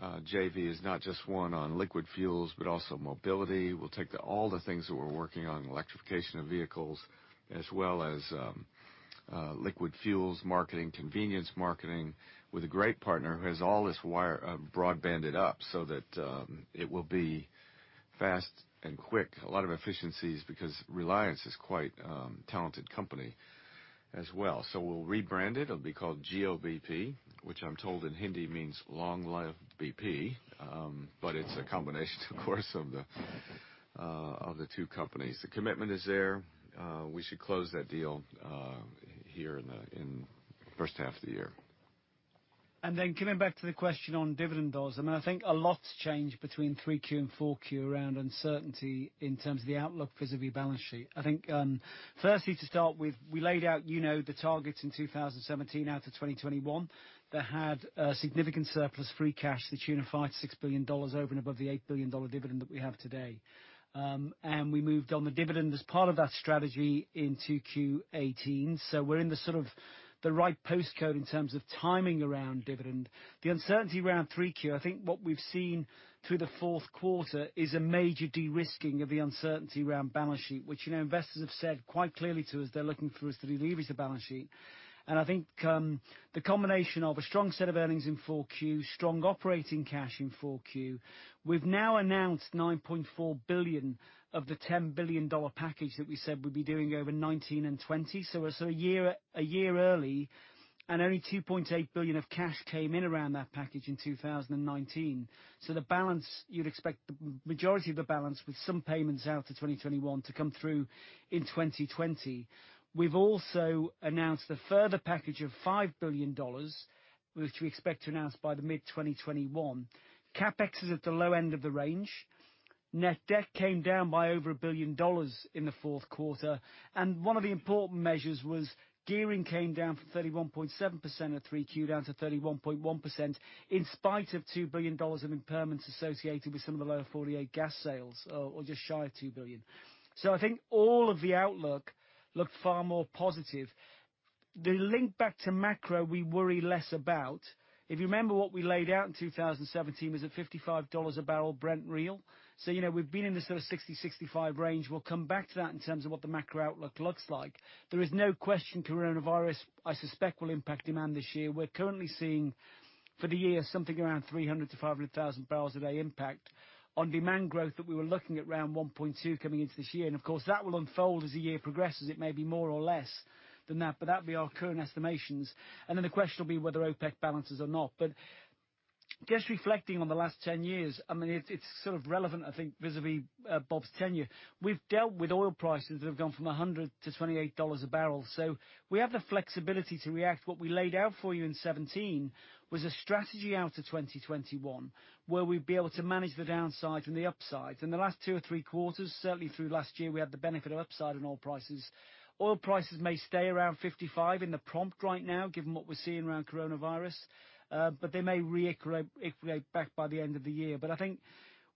JVs, not just one on liquid fuels, but also mobility. We'll take all the things that we're working on, electrification of vehicles, as well as liquid fuels marketing, convenience marketing, with a great partner who has all this wire broadbanded up so that it will be fast and quick. A lot of efficiencies because Reliance is quite talented company as well. We'll rebrand it. It'll be called Jio-bp, which I'm told in Hindi means long life BP. It's a combination, of course, of the two companies. The commitment is there. We should close that deal here in the first half of the year.
Coming back to the question on dividend dollars, I think a lot's changed between 3Q and 4Q around uncertainty in terms of the outlook vis-à-vis balance sheet. Firstly, to start with, we laid out the targets in 2017 out to 2021 that had a significant surplus free cash, that's unified to $6 billion over and above the $8 billion dividend that we have today. We moved on the dividend as part of that strategy into Q 2018. We're in the sort of the right postcode in terms of timing around dividend. The uncertainty around 3Q, I think what we've seen through the fourth quarter is a major de-risking of the uncertainty around balance sheet. Investors have said quite clearly to us, they're looking for us to deleverage the balance sheet. I think the combination of a strong set of earnings in 4Q, strong operating cash in 4Q, we've now announced $9.4 billion of the $10 billion package that we said we'd be doing over 2019 and 2020, so a year early. Only $2.8 billion of cash came in around that package in 2019. The balance, you'd expect the majority of the balance with some payments out to 2021 to come through in 2020. We've also announced a further package of $5 billion, which we expect to announce by the mid-2021. CapEx is at the low end of the range. Net debt came down by over $1 billion in the fourth quarter. One of the important measures was gearing came down from 31.7% at 3Q down to 31.1%, in spite of $2 billion of impairments associated with some of the Lower 48 gas sales, or just shy of $2 billion. I think all of the outlook looked far more positive. The link back to macro, we worry less about. If you remember what we laid out in 2017 was at $55 a barrel Brent real. We've been in this sort of $60, $65 range. We'll come back to that in terms of what the macro outlook looks like. There is no question coronavirus, I suspect, will impact demand this year. We're currently seeing for the year something around 300,000 bbl-500,000 bbl a day impact on demand growth that we were looking at around 1.2 coming into this year. Of course, that will unfold as the year progresses. It may be more or less than that, but that'd be our current estimations. The question will be whether OPEC balances or not. Just reflecting on the last 10 years, it's sort of relevant, I think, vis-à-vis Bob's tenure. We've dealt with oil prices that have gone from $100 to $28 a barrel. We have the flexibility to react. What we laid out for you in 2017 was a strategy out to 2021 where we'd be able to manage the downside and the upside. In the last two or three quarters, certainly through last year, we had the benefit of upside on oil prices. Oil prices may stay around $55 in the prompt right now, given what we're seeing around coronavirus. They may re-equilibrate back by the end of the year. I think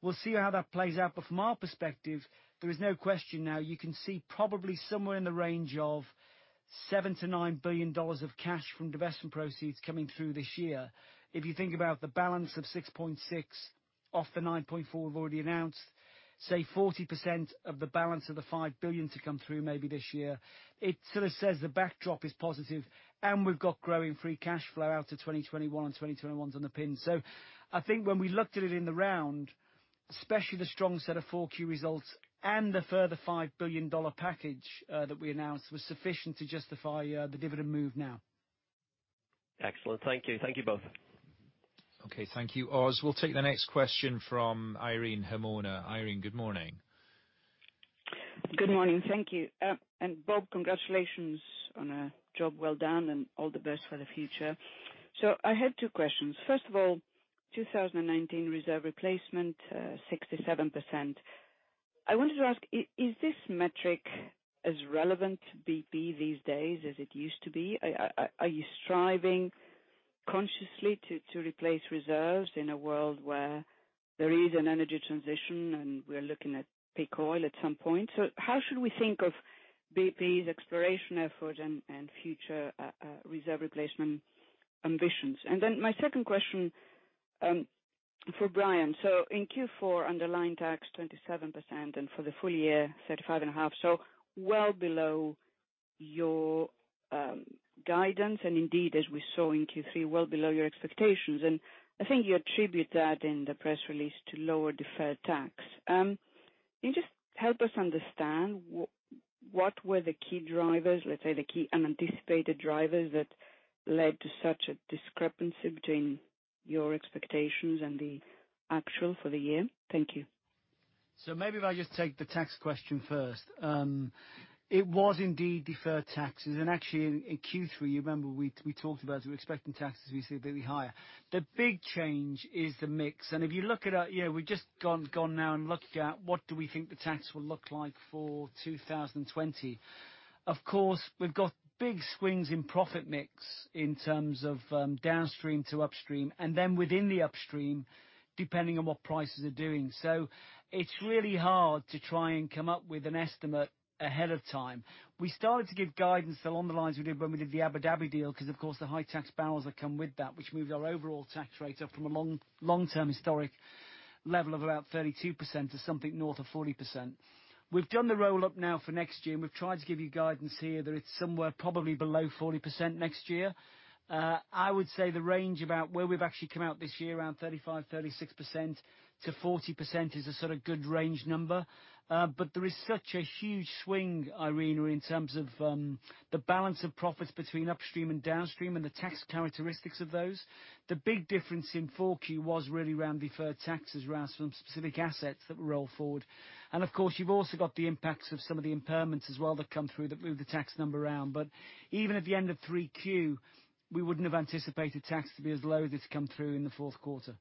we'll see how that plays out. From our perspective, there is no question now, you can see probably somewhere in the range of $7 billion-$9 billion of cash from divestment proceeds coming through this year. If you think about the balance of $6.6 billion off the $9.4 billion we've already announced, say 40% of the balance of the $5 billion to come through maybe this year. It sort of says the backdrop is positive and we've got growing free cash flow out to 2021, and 2021 is on the pin. I think when we looked at it in the round, especially the strong set of 4Q results and the further $5 billion package that we announced was sufficient to justify the dividend move now.
Excellent. Thank you. Thank you both.
Okay. Thank you, Oz. We'll take the next question from Irene Himona. Irene, good morning.
Good morning. Thank you. Bob, congratulations on a job well done and all the best for the future. I had two questions. First of all, 2019 reserve replacement, 67%. I wanted to ask, is this metric as relevant to BP these days as it used to be? Are you striving consciously to replace reserves in a world where there is an energy transition and we're looking at peak oil at some point? How should we think of BP's exploration effort and future reserve replacement ambitions? My second question for Brian. In Q4, underlying tax 27% and for the full year, you said 5.5%. Well below your guidance and indeed, as we saw in Q3, well below your expectations. I think you attribute that in the press release to lower deferred tax. Can you just help us understand what were the key drivers, let's say the key unanticipated drivers that led to such a discrepancy between your expectations and the actual for the year? Thank you.
Maybe if I just take the tax question first. It was indeed deferred taxes. Actually in Q3, you remember we talked about we were expecting taxes to be significantly higher. The big change is the mix. If you look at our year, we've just gone now and looked at what do we think the tax will look like for 2020. Of course, we've got big swings in profit mix in terms of downstream to upstream and then within the upstream depending on what prices are doing. To try and come up with an estimate ahead of time. We started to give guidance along the lines we did when we did the Abu Dhabi deal, because, of course, the high tax barrels that come with that, which moved our overall tax rate up from a long-term historic level of about 32% to something north of 40%. We've done the roll-up now for next year. We've tried to give you guidance here that it's somewhere probably below 40% next year. I would say the range about where we've actually come out this year, around 35%, 36% to 40% is a sort of good range number. There is such a huge swing, Irene, in terms of the balance of profits between upstream and downstream and the tax characteristics of those. The big difference in 4Q was really around deferred taxes around some specific assets that were rolled forward. Of course, you've also got the impacts of some of the impairments as well that come through that move the tax number around. Even at the end of 3Q, we wouldn't have anticipated tax to be as low as it's come through in the fourth quarter.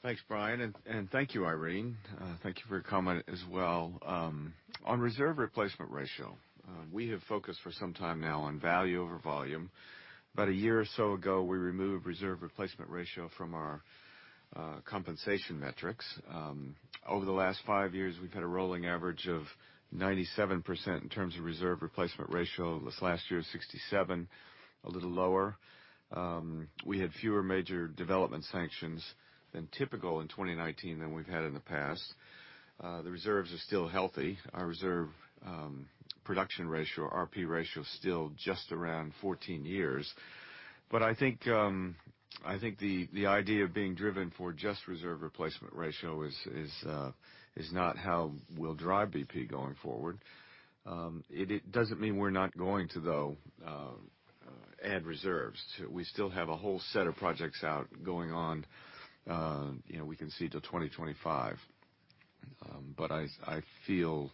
Thanks, Brian, and thank you, Irene. Thank you for your comment as well. On reserve replacement ratio, we have focused for some time now on value over volume. About a year or so ago, we removed reserve replacement ratio from our compensation metrics. Over the last five years, we've had a rolling average of 97% in terms of reserve replacement ratio. This last year, 67%, a little lower. We had fewer major development sanctions than typical in 2019 than we've had in the past. The reserves are still healthy. Our reserve production ratio, RP ratio, is still just around 14 years. I think the idea of being driven for just reserve replacement ratio is not how we'll drive BP going forward. It doesn't mean we're not going to, though, add reserves. We still have a whole set of projects out going on. We can see till 2025. I feel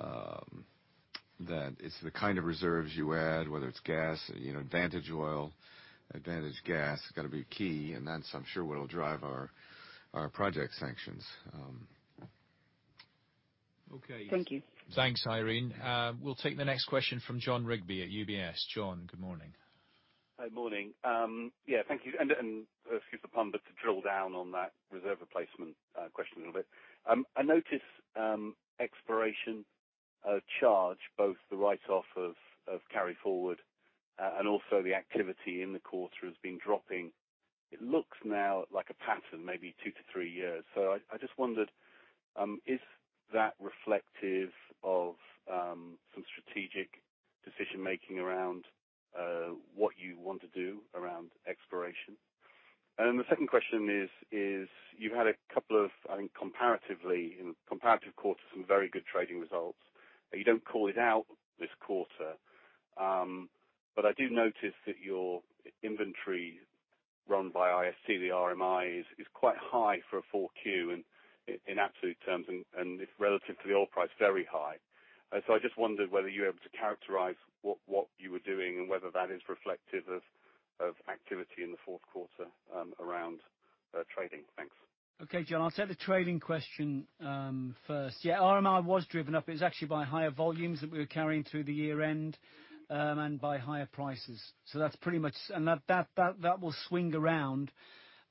that it's the kind of reserves you add, whether it's gas advantage oil, advantage gas, has got to be key, and that's I'm sure what will drive our project sanctions.
Thank you.
Thanks, Irene. We'll take the next question from Jon Rigby at UBS. Jon, good morning.
Hi, morning. Yeah, thank you. Excuse the pun, but to drill down on that reserve replacement question a little bit. I notice exploration charge, both the write-off of carry forward and also the activity in the quarter has been dropping. It looks now like a pattern, maybe two to three years. I just wondered, is that reflective of some strategic decision making around what you want to do around exploration? The second question is you've had a couple of, I think in comparative quarters, some very good trading results. You don't call it out this quarter, but I do notice that your inventory run by ISC, the RMI, is quite high for a 4Q in absolute terms and relatively oil price, very high. I just wondered whether you were able to characterize what you were doing and whether that is reflective of activity in the fourth quarter around trading. Thanks.
Okay, Jon, I'll take the trading question first. RMI was driven up. It was actually by higher volumes that we were carrying through the year-end and by higher prices. That's pretty much. That will swing around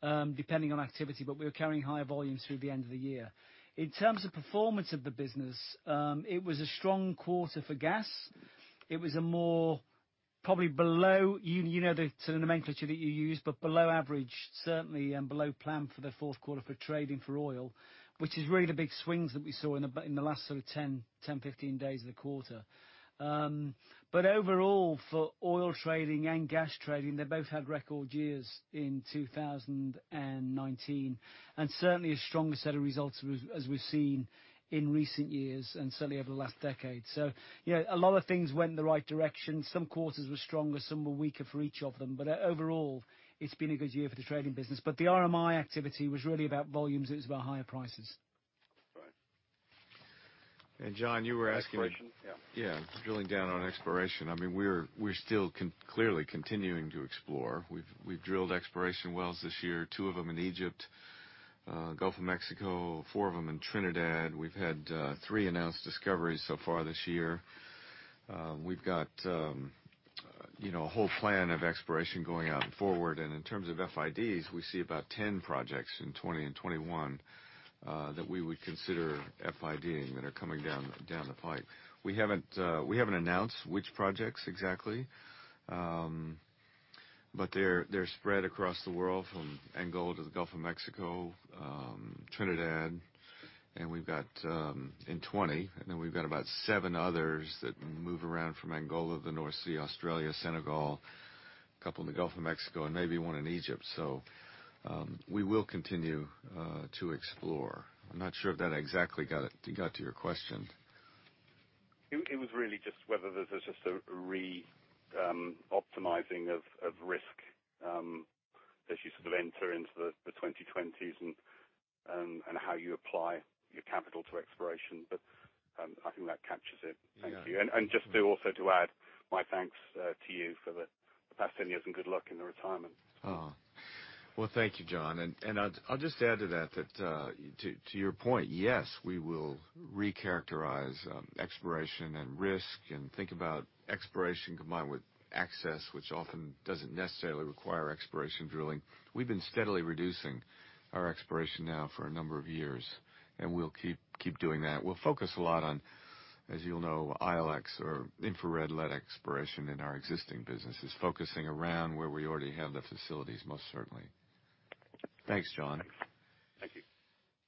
depending on activity. We were carrying higher volumes through the end of the year. In terms of performance of the business, it was a strong quarter for gas. It was a more, probably below, you know the nomenclature that you use, but below average certainly, and below plan for the fourth quarter for trading for oil, which is really the big swings that we saw in the last sort of 10, 15 days of the quarter. Overall, for oil trading and gas trading, they both had record years in 2019, and certainly a stronger set of results as we've seen in recent years and certainly over the last decade. A lot of things went in the right direction. Some quarters were stronger, some were weaker for each of them. Overall, it's been a good year for the trading business. The RMI activity was really about volumes, it was about higher prices.
Right.
Jon, you were asking.
Exploration. Yeah.
Yeah. Drilling down on exploration. I mean, we're still clearly continuing to explore. We've drilled exploration wells this year, two of them in Egypt, Gulf of Mexico, four of them in Trinidad. We've had three announced discoveries so far this year. We've got a whole plan of exploration going out forward. In terms of FIDs, we see about 10 projects in 2020 and 2021 that we would consider FID-ing that are coming down the pipe. We haven't announced which projects exactly. They're spread across the world from Angola to the Gulf of Mexico, Trinidad. We've got in 2020, I know we've got about seven others that move around from Angola to the North Sea, Australia, Senegal, couple in the Gulf of Mexico, and maybe one in Egypt. We will continue to explore. I'm not sure if that exactly got to your question.
It was really just whether there's just a re-optimizing of risk as you sort of enter into the 2020s and how you apply your capital to exploration. I think that captures it. Thank you. Just to also to add my thanks to you for the past 10 years and good luck in your retirement.
Well, thank you, Jon. I'll just add to that, to your point, yes, we will recharacterize exploration and risk and think about exploration combined with access, which often doesn't necessarily require exploration drilling. We've been steadily reducing our exploration now for a number of years. We'll keep doing that. We'll focus a lot on, as you'll know, ILX or Infrastructure-Led Exploration in our existing businesses, focusing around where we already have the facilities, most certainly. Thanks, Jon.
Thank you.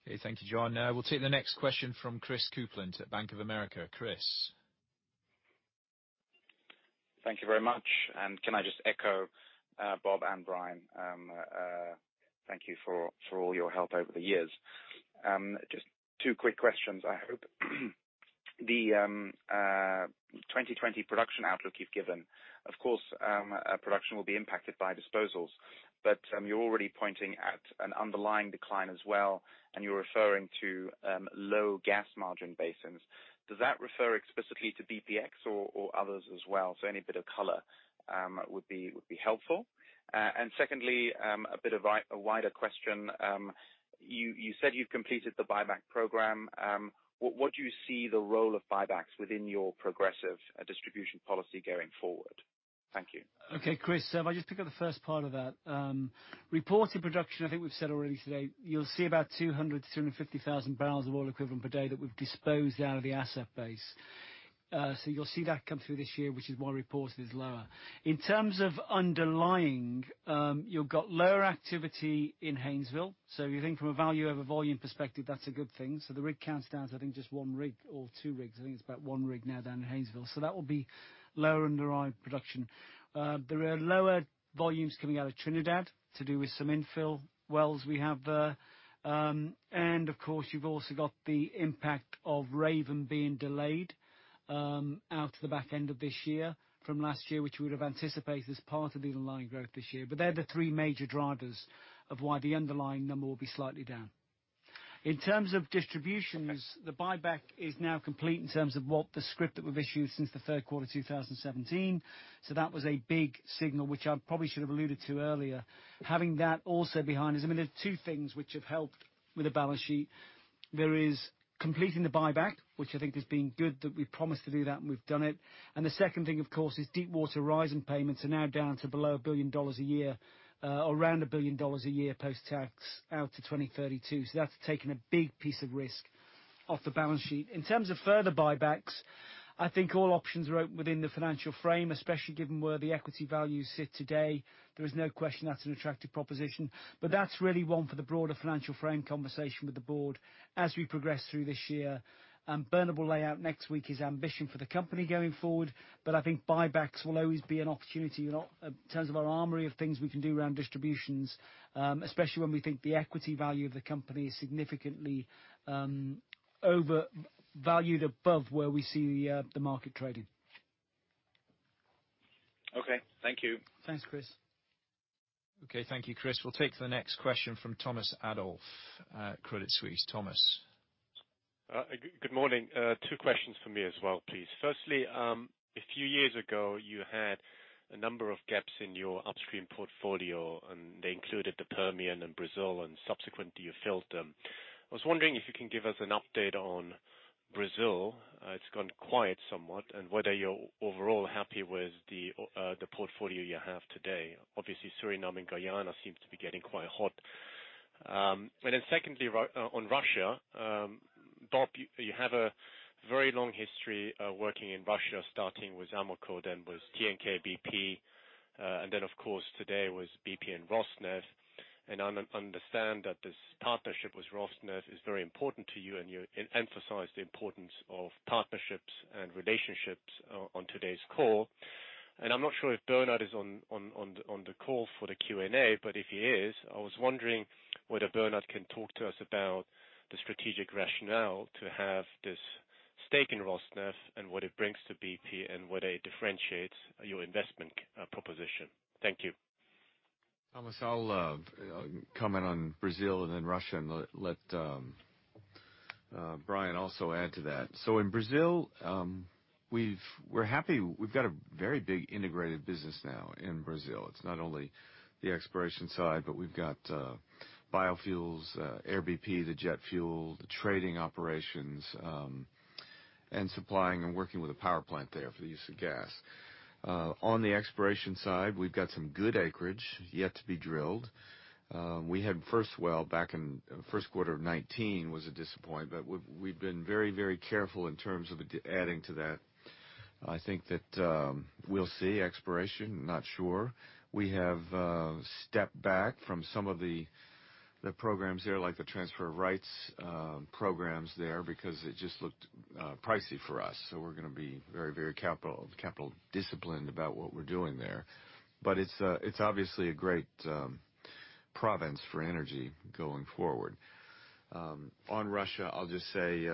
Okay. Thank you, Jon. We'll take the next question from Chris Kuplent at Bank of America. Chris.
Thank you very much. Can I just echo Bob and Brian, thank you for all your help over the years. Just two quick questions, I hope. The 2020 production outlook you've given, of course, production will be impacted by disposals, but you're already pointing at an underlying decline as well, and you're referring to low gas margin basins. Does that refer explicitly to bpx or others as well? Any bit of color would be helpful. Secondly, a bit of a wider question. You said you've completed the buyback program. What do you see the role of buybacks within your progressive distribution policy going forward? Thank you.
Okay, Chris. If I just pick up the first part of that. Reported production, I think we've said already today, you'll see about 200,000 bbl-250,000 bbl of oil equivalent per day that we've disposed out of the asset base. You'll see that come through this year, which is why reported is lower. In terms of underlying, you've got lower activity in Haynesville. If you think from a value over volume perspective, that's a good thing. The rig count is down to, I think, just 1 rig or 2 rigs. I think it's about 1 rig now down in Haynesville. That will be lower underlying production. There are lower volumes coming out of Trinidad to do with some infill wells we have there. Of course, you've also got the impact of Raven being delayed out to the back end of this year from last year, which we would have anticipated as part of the underlying growth this year. They're the three major drivers of why the underlying number will be slightly down. In terms of distributions, the buyback is now complete in terms of what the scrip that we've issued since the third quarter 2017. That was a big signal, which I probably should have alluded to earlier. Having that also behind us, there's two things which have helped with the balance sheet. There is completing the buyback, which I think has been good that we promised to do that and we've done it. The second thing, of course, is Deepwater Horizon payments are now down to below $1 billion a year, around $1 billion a year post-tax out to 2032. That's taken a big piece of risk off the balance sheet. In terms of further buybacks, I think all options are open within the financial frame, especially given where the equity values sit today. There is no question that's an attractive proposition. That's really one for the broader financial frame conversation with the board as we progress through this year. Bernard will lay out next week his ambition for the company going forward. I think buybacks will always be an opportunity in terms of our armory of things we can do around distributions, especially when we think the equity value of the company is significantly overvalued above where we see the market trading.
Okay. Thank you.
Thanks, Chris.
Okay. Thank you, Chris. We'll take the next question from Thomas Adolff, Credit Suisse. Thomas.
Good morning. Two questions from me as well, please. Firstly, a few years ago, you had a number of gaps in your upstream portfolio, and they included the Permian and Brazil, and subsequently, you filled them. I was wondering if you can give us an update on Brazil. It's gone quiet somewhat, and whether you're overall happy with the portfolio you have today. Obviously, Suriname and Guyana seems to be getting quite hot. Secondly, on Russia. Bob, you have a very long history working in Russia, starting with Amoco, then with TNK-BP, and then, of course, today with BP and Rosneft. I understand that this partnership with Rosneft is very important to you, and you emphasized the importance of partnerships and relationships on today's call. I'm not sure if Bernard is on the call for the Q&A, but if he is, I was wondering whether Bernard can talk to us about the strategic rationale to have this stake in Rosneft and what it brings to BP and whether it differentiates your investment proposition. Thank you.
Thomas, I'll comment on Brazil and then Russia and let Brian also add to that. In Brazil, we're happy. We've got a very big integrated business now in Brazil. It's not only the exploration side, but we've got biofuels, Air BP, the jet fuel, the trading operations, and supplying and working with a power plant there for the use of gas. On the exploration side, we've got some good acreage yet to be drilled. We had the first well back in first quarter of 2019, was a disappointment, but we've been very careful in terms of adding to that. I think that we'll see exploration, not sure. We have stepped back from some of the programs there, like the transfer of rights programs there, because it just looked pricey for us. We're going to be very capital-disciplined about what we're doing there. It's obviously a great province for energy going forward. On Russia, I'll just say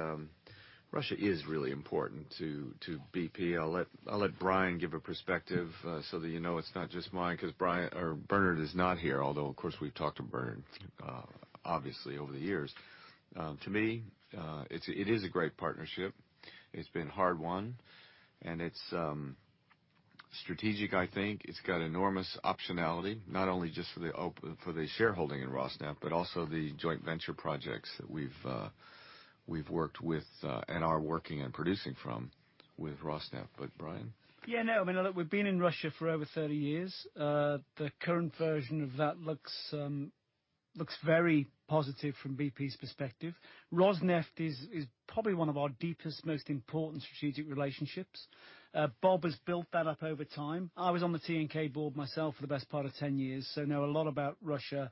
Russia is really important to BP. I'll let Brian give a perspective so that you know it's not just mine because Bernard is not here. Of course, we've talked to Bernard obviously over the years. To me, it is a great partnership. It's been hard won, and it's strategic, I think. It's got enormous optionality, not only just for the shareholding in Rosneft, but also the joint venture projects that we've worked with, and are working and producing from, with Rosneft. Brian?
Yeah, no, look, we've been in Russia for over 30 years. The current version of that looks very positive from BP's perspective. Rosneft is probably one of our deepest, most important strategic relationships. Bob has built that up over time. I was on the TNK board myself for the best part of 10 years, so I know a lot about Russia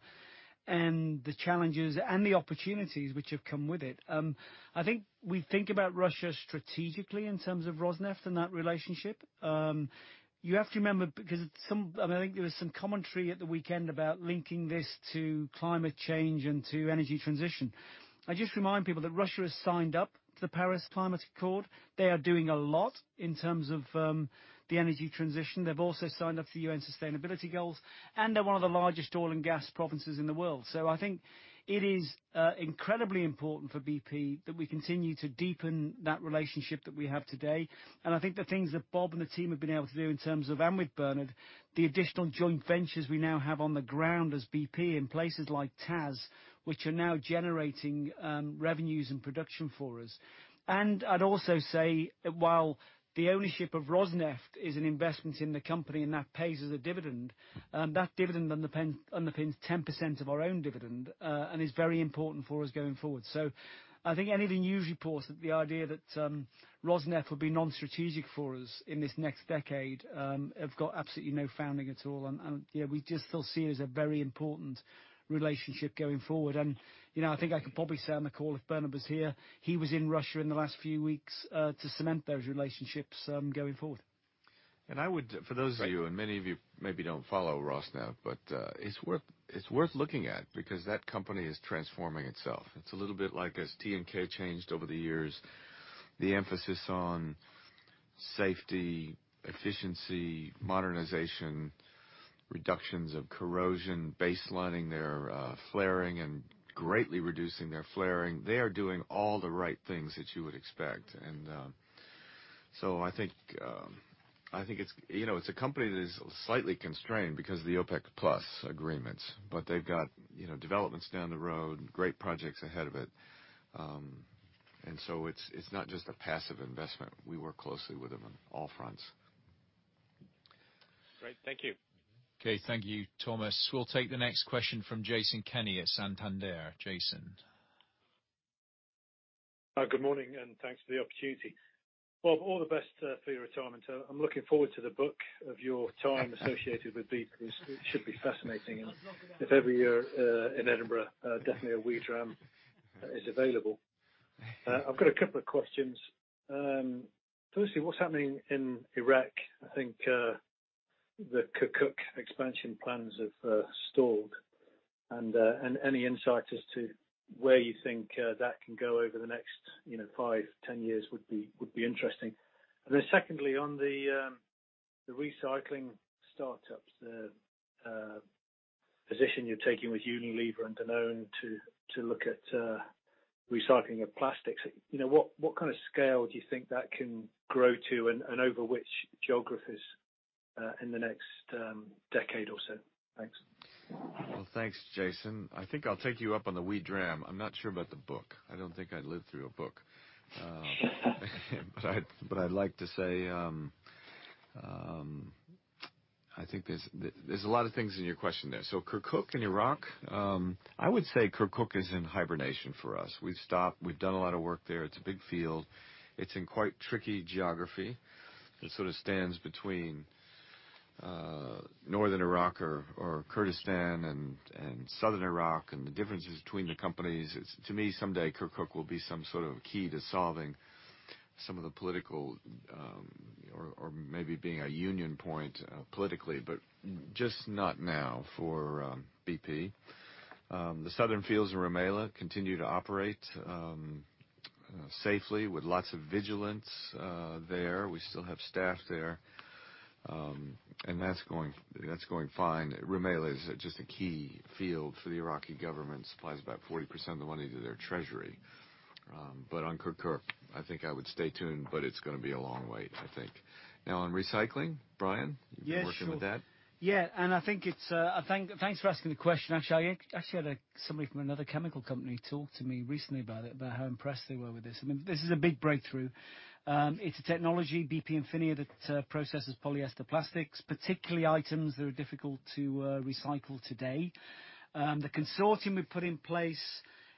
and the challenges and the opportunities which have come with it. I think we think about Russia strategically in terms of Rosneft and that relationship. You have to remember, because I think there was some commentary at the weekend about linking this to climate change and to energy transition. I'd just remind people that Russia has signed up to the Paris Agreement. They are doing a lot in terms of the energy transition. They've also signed up for the UN Sustainable Development Goals, and are one of the largest oil and gas provinces in the world. I think it is incredibly important for BP that we continue to deepen that relationship that we have today. I think the things that Bob and the team have been able to do in terms of, and with Bernard, the additional joint ventures we now have on the ground as BP in places like Taas, which are now generating revenues and production for us. I'd also say, while the ownership of Rosneft is an investment in the company and that pays as a dividend, that dividend underpins 10% of our own dividend and is very important for us going forward. I think any of the news reports that the idea that Rosneft would be non-strategic for us in this next decade have got absolutely no founding at all. Yeah, we just still see it as a very important relationship going forward. I think I could probably say on the call if Bernard was here, he was in Russia in the last few weeks to cement those relationships going forward.
I would, for those of you, and many of you maybe don't follow Rosneft, but it's worth looking at because that company is transforming itself. It's a little bit like as TNK changed over the years, the emphasis on safety, efficiency, modernization, reductions of corrosion, baselining their flaring and greatly reducing their flaring. They are doing all the right things that you would expect. I think it's a company that is slightly constrained because of the OPEC Plus agreements. They've got developments down the road, great projects ahead of it. It's not just a passive investment. We work closely with them on all fronts.
Great. Thank you.
Okay. Thank you, Thomas. We'll take the next question from Jason Kenney at Santander. Jason.
Good morning. Thanks for the opportunity. Bob, all the best for your retirement, sir. I'm looking forward to the book of your time associated with BP. It should be fascinating. If ever you're in Edinburgh, definitely a wee dram is available. I've got a couple of questions. Firstly, what's happening in Iraq? I think the Kirkuk expansion plans have stalled. Any insight as to where you think that can go over the next five, 10 years would be interesting. Secondly, on the recycling startups, the position you're taking with Unilever and Danone to look at recycling of plastics. What kind of scale do you think that can grow to and over which geographies in the next decade or so? Thanks.
Well, thanks, Jason. I think I'll take you up on the wee dram. I'm not sure about the book. I don't think I'd live through a book. I'd like to say, I think there's a lot of things in your question there. Kirkuk in Iraq, I would say Kirkuk is in hibernation for us. We've stopped. We've done a lot of work there. It's a big field. It's in quite tricky geography. It sort of stands between northern Iraq or Kurdistan and southern Iraq and the differences between the companies. To me, someday Kirkuk will be some sort of key to solving some of the political or maybe being a union point politically, but just not now for BP. The southern fields in Rumaila continue to operate safely with lots of vigilance there. We still have staff there. That's going fine. Rumaila is just a key field for the Iraqi government, supplies about 40% of the money to their treasury. On Kirkuk, I think I would stay tuned, but it's going to be a long wait, I think. On recycling, Brian, you've been working with that.
Yeah, thanks for asking the question. Actually, I had somebody from another chemical company talk to me recently about it, about how impressed they were with this. I mean, this is a big breakthrough. It's a technology, BP Infinia, that processes polyester plastics, particularly items that are difficult to recycle today. The consortium we put in place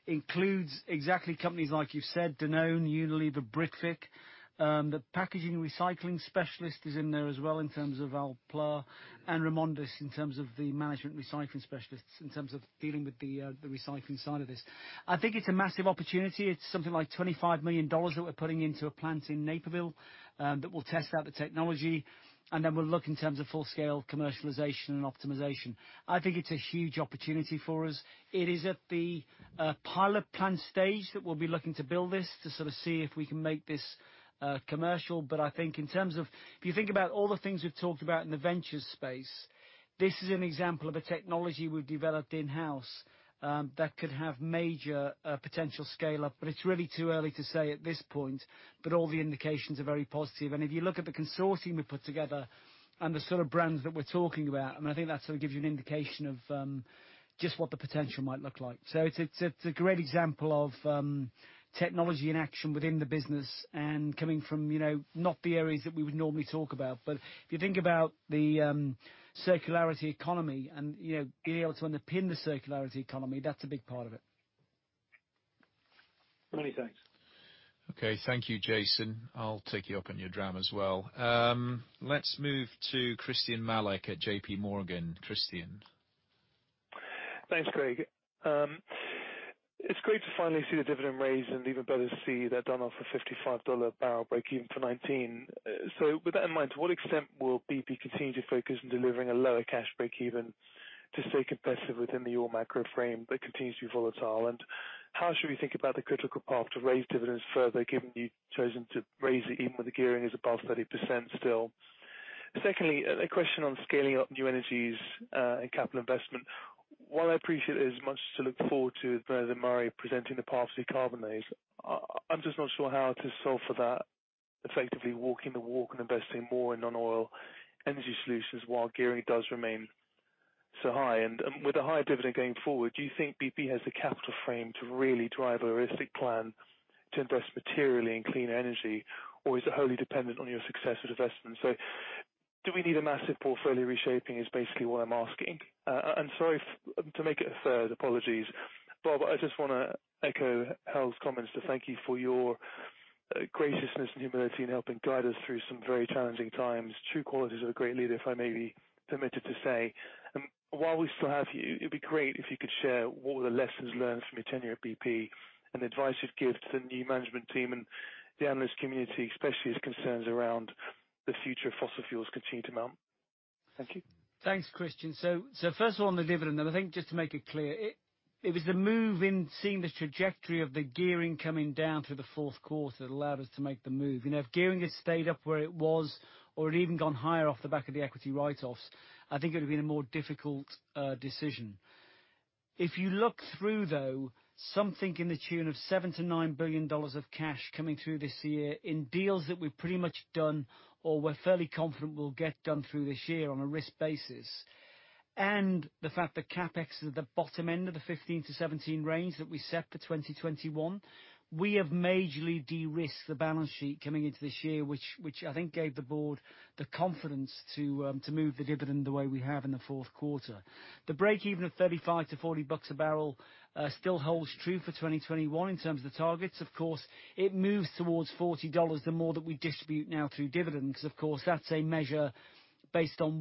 includes exactly companies like you said, Danone, Unilever, Britvic. The packaging recycling specialist is in there as well in terms of ALPLA and Remondis in terms of the management recycling specialists, in terms of dealing with the recycling side of this. I think it's a massive opportunity. It's something like GBP 25 million that we're putting into a plant in Naperville that will test out the technology, and then we'll look in terms of full-scale commercialization and optimization. I think it's a huge opportunity for us. It is at the pilot plant stage that we'll be looking to build this to sort of see if we can make this commercial. I think in terms of if you think about all the things we've talked about in the ventures space, this is an example of a technology we've developed in-house that could have major potential scale-up, but it's really too early to say at this point. All the indications are very positive. If you look at the consortium we put together and the sort of brands that we're talking about, I mean, I think that sort of gives you an indication of just what the potential might look like. It's a great example of technology in action within the business and coming from not the areas that we would normally talk about. If you think about the circularity economy and being able to underpin the circularity economy, that's a big part of it.
Many thanks.
Okay. Thank you, Jason. I'll take you up on your dram as well. Let's move to Christyan Malek at JPMorgan. Christyan.
Thanks, Craig. It's great to finally see the dividend raised and even better to see that done off a $55 per barrel breakeven for 2019. With that in mind, to what extent will BP continue to focus on delivering a lower cash breakeven to stay competitive within the oil micro frame that continues to be volatile? How should we think about the critical path to raise dividends further, given you've chosen to raise it even when the gearing is above 30% still? Secondly, a question on scaling up new energies, and capital investment. While I appreciate there's much to look forward to with Bernard and Murray presenting the path to decarbonize, I'm just not sure how to solve for that, effectively walking the walk and investing more in non-oil energy solutions while gearing does remain so high. With a higher dividend going forward, do you think BP has the capital frame to really drive a realistic plan to invest materially in clean energy? Is it wholly dependent on your success with investments? Do we need a massive portfolio reshaping, is basically what I'm asking. Sorry, to make it a third. Apologies. Bob, I just want to echo Helge's comments to thank you for your graciousness and humility in helping guide us through some very challenging times. True qualities of a great leader, if I may be permitted to say. While we still have you, it'd be great if you could share what were the lessons learned from your tenure at BP and advice you'd give to the new management team and the analyst community, especially as concerns around the future of fossil fuels continue to mount. Thank you.
Thanks, Christyan. First of all on the dividend, and I think just to make it clear, it was the move in seeing the trajectory of the gearing coming down through the fourth quarter that allowed us to make the move. If gearing had stayed up where it was or it even gone higher off the back of the equity write-offs, I think it would've been a more difficult decision. If you look through, though, something in the tune of $7 billion-$9 billion of cash coming through this year in deals that we've pretty much done or we're fairly confident we'll get done through this year on a risk basis. The fact that CapEx is at the bottom end of the $15 billion-$17 billion range that we set for 2021, we have majorly de-risked the balance sheet coming into this year, which I think gave the board the confidence to move the dividend the way we have in the fourth quarter. The break-even of $35-$40 a barrel still holds true for 2021 in terms of the targets. Of course, it moves towards $40 the more that we distribute now through dividends. Of course, that's a measure based on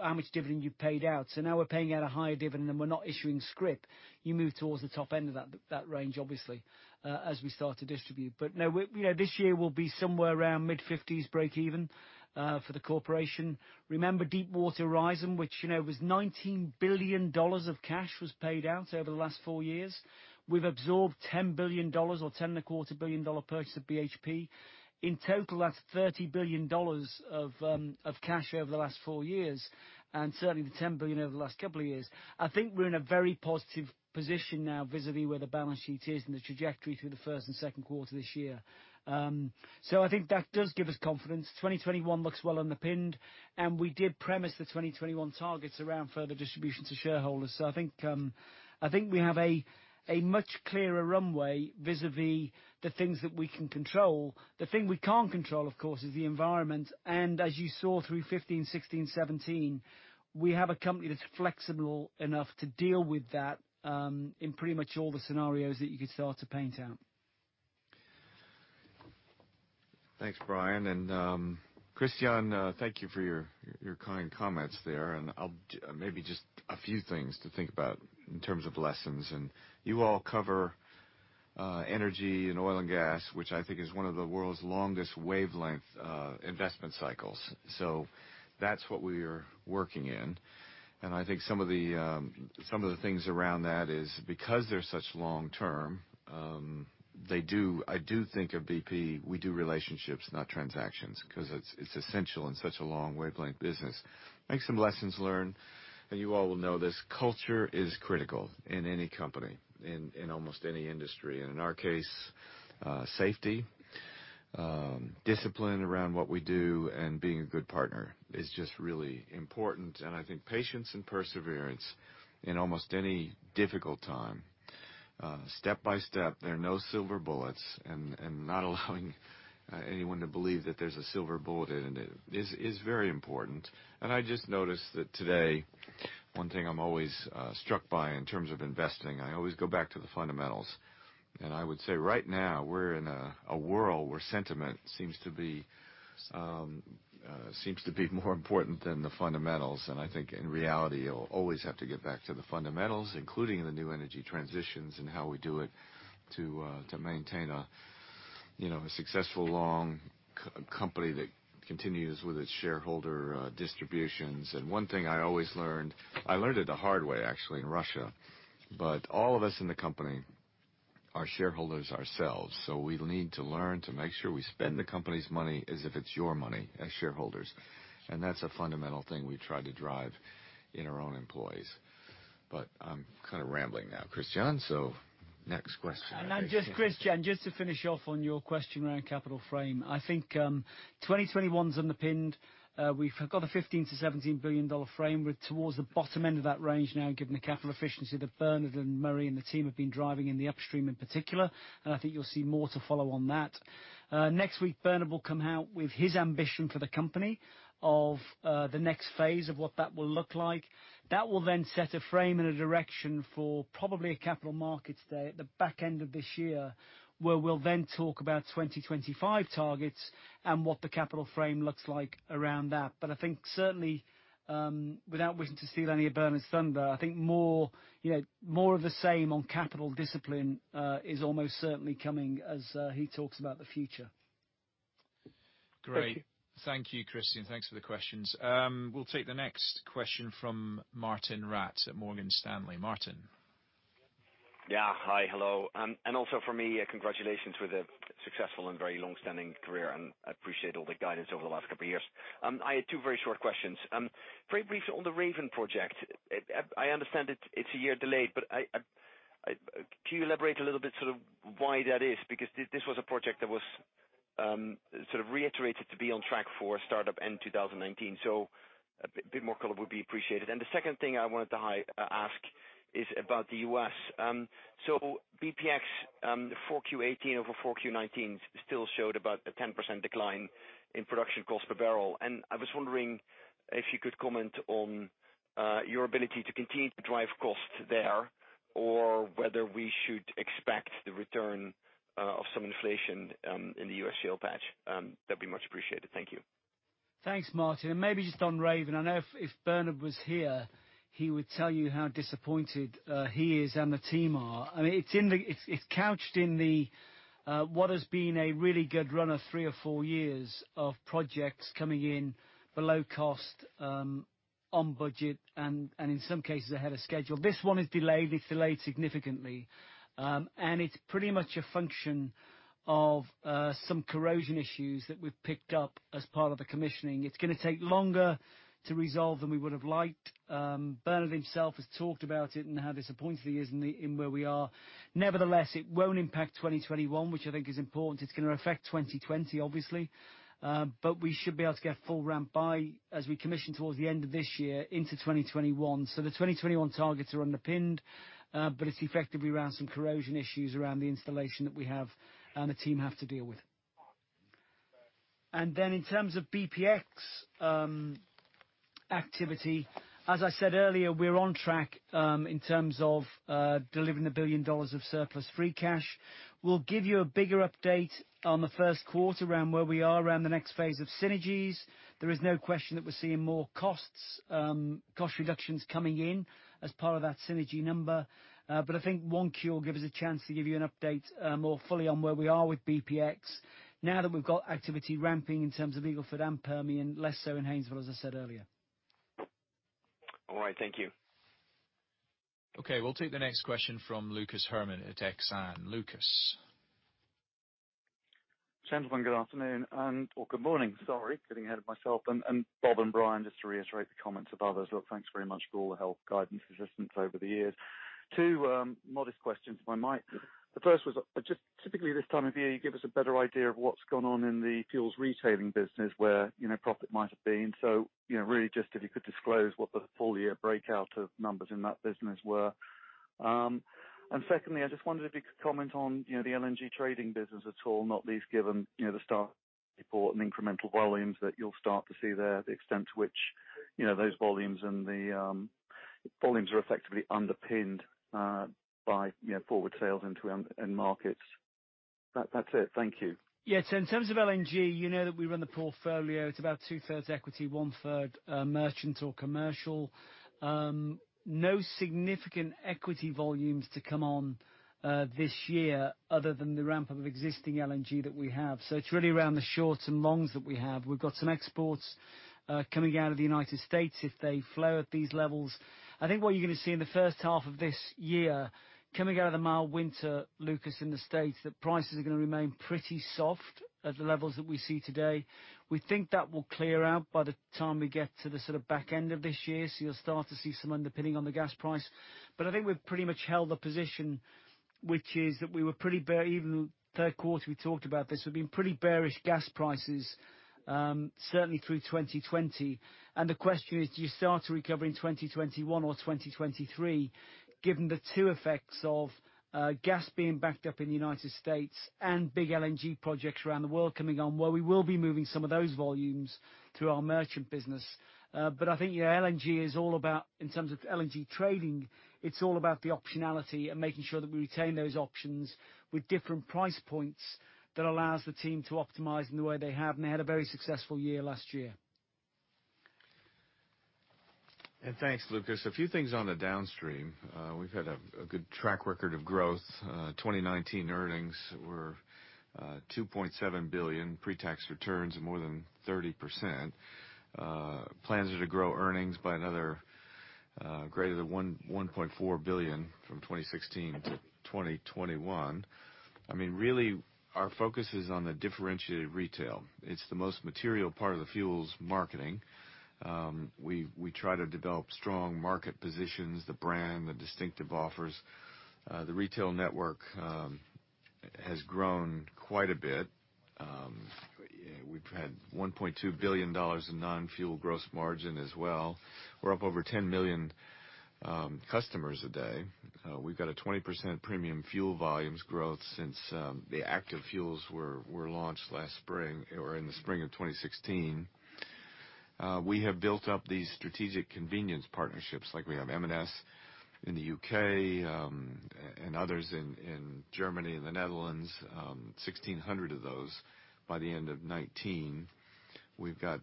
how much dividend you paid out. Now we're paying out a higher dividend and we're not issuing scrip. You move towards the top end of that range, obviously, as we start to distribute. No, this year will be somewhere around mid-50s break-even for the corporation. Remember Deepwater Horizon, which was $19 billion of cash was paid out over the last four years. We've absorbed $10 billion or $10.25 billion purchase of BHP. In total, that's $30 billion of cash over the last four years, and certainly the $10 billion over the last couple of years. I think we're in a very positive position now vis-a-vis where the balance sheet is and the trajectory through the first and second quarter this year. I think that does give us confidence. 2021 looks well underpinned, and we did premise the 2021 targets around further distribution to shareholders. I think we have a much clearer runway vis-a-vis the things that we can control. The thing we can't control, of course, is the environment. As you saw through 2015, 2016, 2017, we have a company that's flexible enough to deal with that in pretty much all the scenarios that you could start to paint out.
Thanks, Brian. Christyan, thank you for your kind comments there. Maybe just a few things to think about in terms of lessons. You all cover energy and oil and gas, which I think is one of the world's longest wavelength investment cycles. That's what we are working in. I think some of the things around that is because they're such long-term, I do think of BP, we do relationships, not transactions, because it's essential in such a long wavelength business. I think some lessons learned, you all will know this, culture is critical in any company, in almost any industry. In our case, safety, discipline around what we do and being a good partner is just really important. I think patience and perseverance in almost any difficult time. Step by step, there are no silver bullets, and not allowing anyone to believe that there's a silver bullet is very important. I just noticed that today, one thing I'm always struck by in terms of investing, I always go back to the fundamentals. I would say right now, we're in a world where sentiment seems to be more important than the fundamentals. I think in reality, you'll always have to get back to the fundamentals, including the new energy transitions and how we do it to maintain a successful long company that continues with its shareholder distributions. One thing I always learned, I learned it the hard way, actually, in Russia. All of us in the company are shareholders ourselves, so we need to learn to make sure we spend the company's money as if it's your money as shareholders. That's a fundamental thing we try to drive in our own employees. I'm kind of rambling now, Christyan. Next question.
Just Christyan, just to finish off on your question around capital frame. I think 2021's underpinned. We've got a $15 billion-$17 billion frame. We're towards the bottom end of that range now, given the capital efficiency that Bernard and Murray and the team have been driving in the upstream in particular, and I think you'll see more to follow on that. Next week, Bernard will come out with his ambition for the company of the next phase of what that will look like. That will then set a frame and a direction for probably a capital markets day at the back end of this year, where we'll then talk about 2025 targets and what the capital frame looks like around that. I think certainly, without wishing to steal any of Bernard's thunder, I think more of the same on capital discipline is almost certainly coming as he talks about the future.
Thank you.
Thank you, Christyan. Thanks for the questions. We'll take the next question from Martijn Rats at Morgan Stanley. Martijn.
Hi. Hello. Also for me, congratulations with a successful and very long-standing career, and I appreciate all the guidance over the last couple of years. I had two very short questions. Very briefly on the Raven project. I understand it's a year delayed, can you elaborate a little bit sort of why that is? This was a project that was sort of reiterated to be on track for a startup end 2019. A bit more color would be appreciated. The second thing I wanted to ask is about the U.S. Bpx, 4Q 2018 over 4Q 2019, still showed about a 10% decline in production cost per barrel. I was wondering if you could comment on your ability to continue to drive costs there or whether we should expect the return of some inflation in the U.S. shale patch. That'd be much appreciated. Thank you.
Thanks, Martijn. Maybe just on Raven. I know if Bernard was here, he would tell you how disappointed he is and the team are. It's couched in what has been a really good run of three or four years of projects coming in below cost, on budget, and in some cases ahead of schedule. This one is delayed. It's delayed significantly. It's pretty much a function of some corrosion issues that we've picked up as part of the commissioning. It's going to take longer to resolve than we would have liked. Bernard himself has talked about it and how disappointed he is in where we are. Nevertheless, it won't impact 2021, which I think is important. It's going to affect 2020, obviously. We should be able to get full ramp by as we commission towards the end of this year into 2021. The 2021 targets are underpinned, but it's effectively around some corrosion issues around the installation that we have and the team have to deal with. In terms of bpx activity, as I said earlier, we're on track in terms of delivering $1 billion of surplus free cash. We'll give you a bigger update on the first quarter around where we are around the next phase of synergies. There is no question that we're seeing more cost reductions coming in as part of that synergy number. I think 1Q will give us a chance to give you an update more fully on where we are with bpx now that we've got activity ramping in terms of Eagle Ford and Permian, less so in Haynesville, as I said earlier.
All right. Thank you.
Okay. We'll take the next question from Lucas Herrmann at Exane. Lucas.
Gentlemen, good afternoon. Good morning, sorry. Getting ahead of myself. Bob and Brian, just to reiterate the comments of others, look, thanks very much for all the help, guidance, assistance over the years. Two modest questions if I might. The first was just typically this time of year, you give us a better idea of what's gone on in the fuels retailing business where profit might have been. Really just if you could disclose what the full-year breakout of numbers in that business were. Secondly, I just wondered if you could comment on the LNG trading business at all, not least given the start report and incremental volumes that you'll start to see there, the extent to which those volumes are effectively underpinned by forward sales into end markets. That's it. Thank you.
In terms of LNG, you know that we run the portfolio. It's about two-thirds equity, one-third merchant or commercial. No significant equity volumes to come on this year other than the ramp-up of existing LNG that we have. It's really around the shorts and longs that we have. We've got some exports coming out of the U.S. if they flow at these levels. I think what you're going to see in the first half of this year, coming out of the mild winter, Lucas, in the U.S., that prices are going to remain pretty soft at the levels that we see today. We think that will clear out by the time we get to the sort of back end of this year. You'll start to see some underpinning on the gas price. I think we've pretty much held the position, which is that we were pretty bearish even third quarter we talked about this, we've been pretty bearish gas prices, certainly through 2020. The question is, do you start to recover in 2021 or 2023, given the two effects of gas being backed up in the United States and big LNG projects around the world coming on? We will be moving some of those volumes through our merchant business. I think LNG is all about, in terms of LNG trading, it's all about the optionality and making sure that we retain those options with different price points that allows the team to optimize in the way they have. They had a very successful year last year.
Thanks, Lucas. A few things on the downstream. We've had a good track record of growth. 2019 earnings were $2.7 billion pre-tax returns of more than 30%. Plans are to grow earnings by another greater than $1.4 billion from 2016 to 2021. Really, our focus is on the differentiated retail. It's the most material part of the fuels marketing. We try to develop strong market positions, the brand, the distinctive offers. The retail network has grown quite a bit. We've had $1.2 billion in non-fuel gross margin as well. We're up over 10 million customers a day. We've got a 20% premium fuel volumes growth since the active fuels were launched last spring or in the spring of 2016. We have built up these strategic convenience partnerships. Like we have M&S in the U.K., and others in Germany and the Netherlands, 1,600 of those by the end of 2019. We've got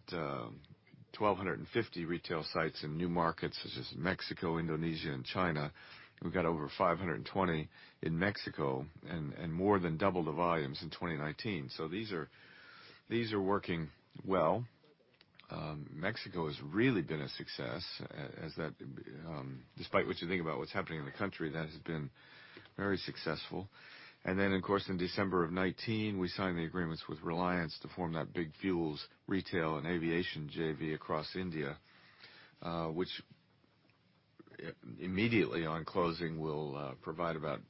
1,250 retail sites in new markets such as Mexico, Indonesia, and China. We've got over 520 in Mexico and more than double the volumes in 2019. These are working well. Mexico has really been a success, despite what you think about what's happening in the country, that has been very successful. Of course, in December of 2019, we signed the agreements with Reliance to form that big fuels, retail, and aviation JV across India, which immediately on closing will provide about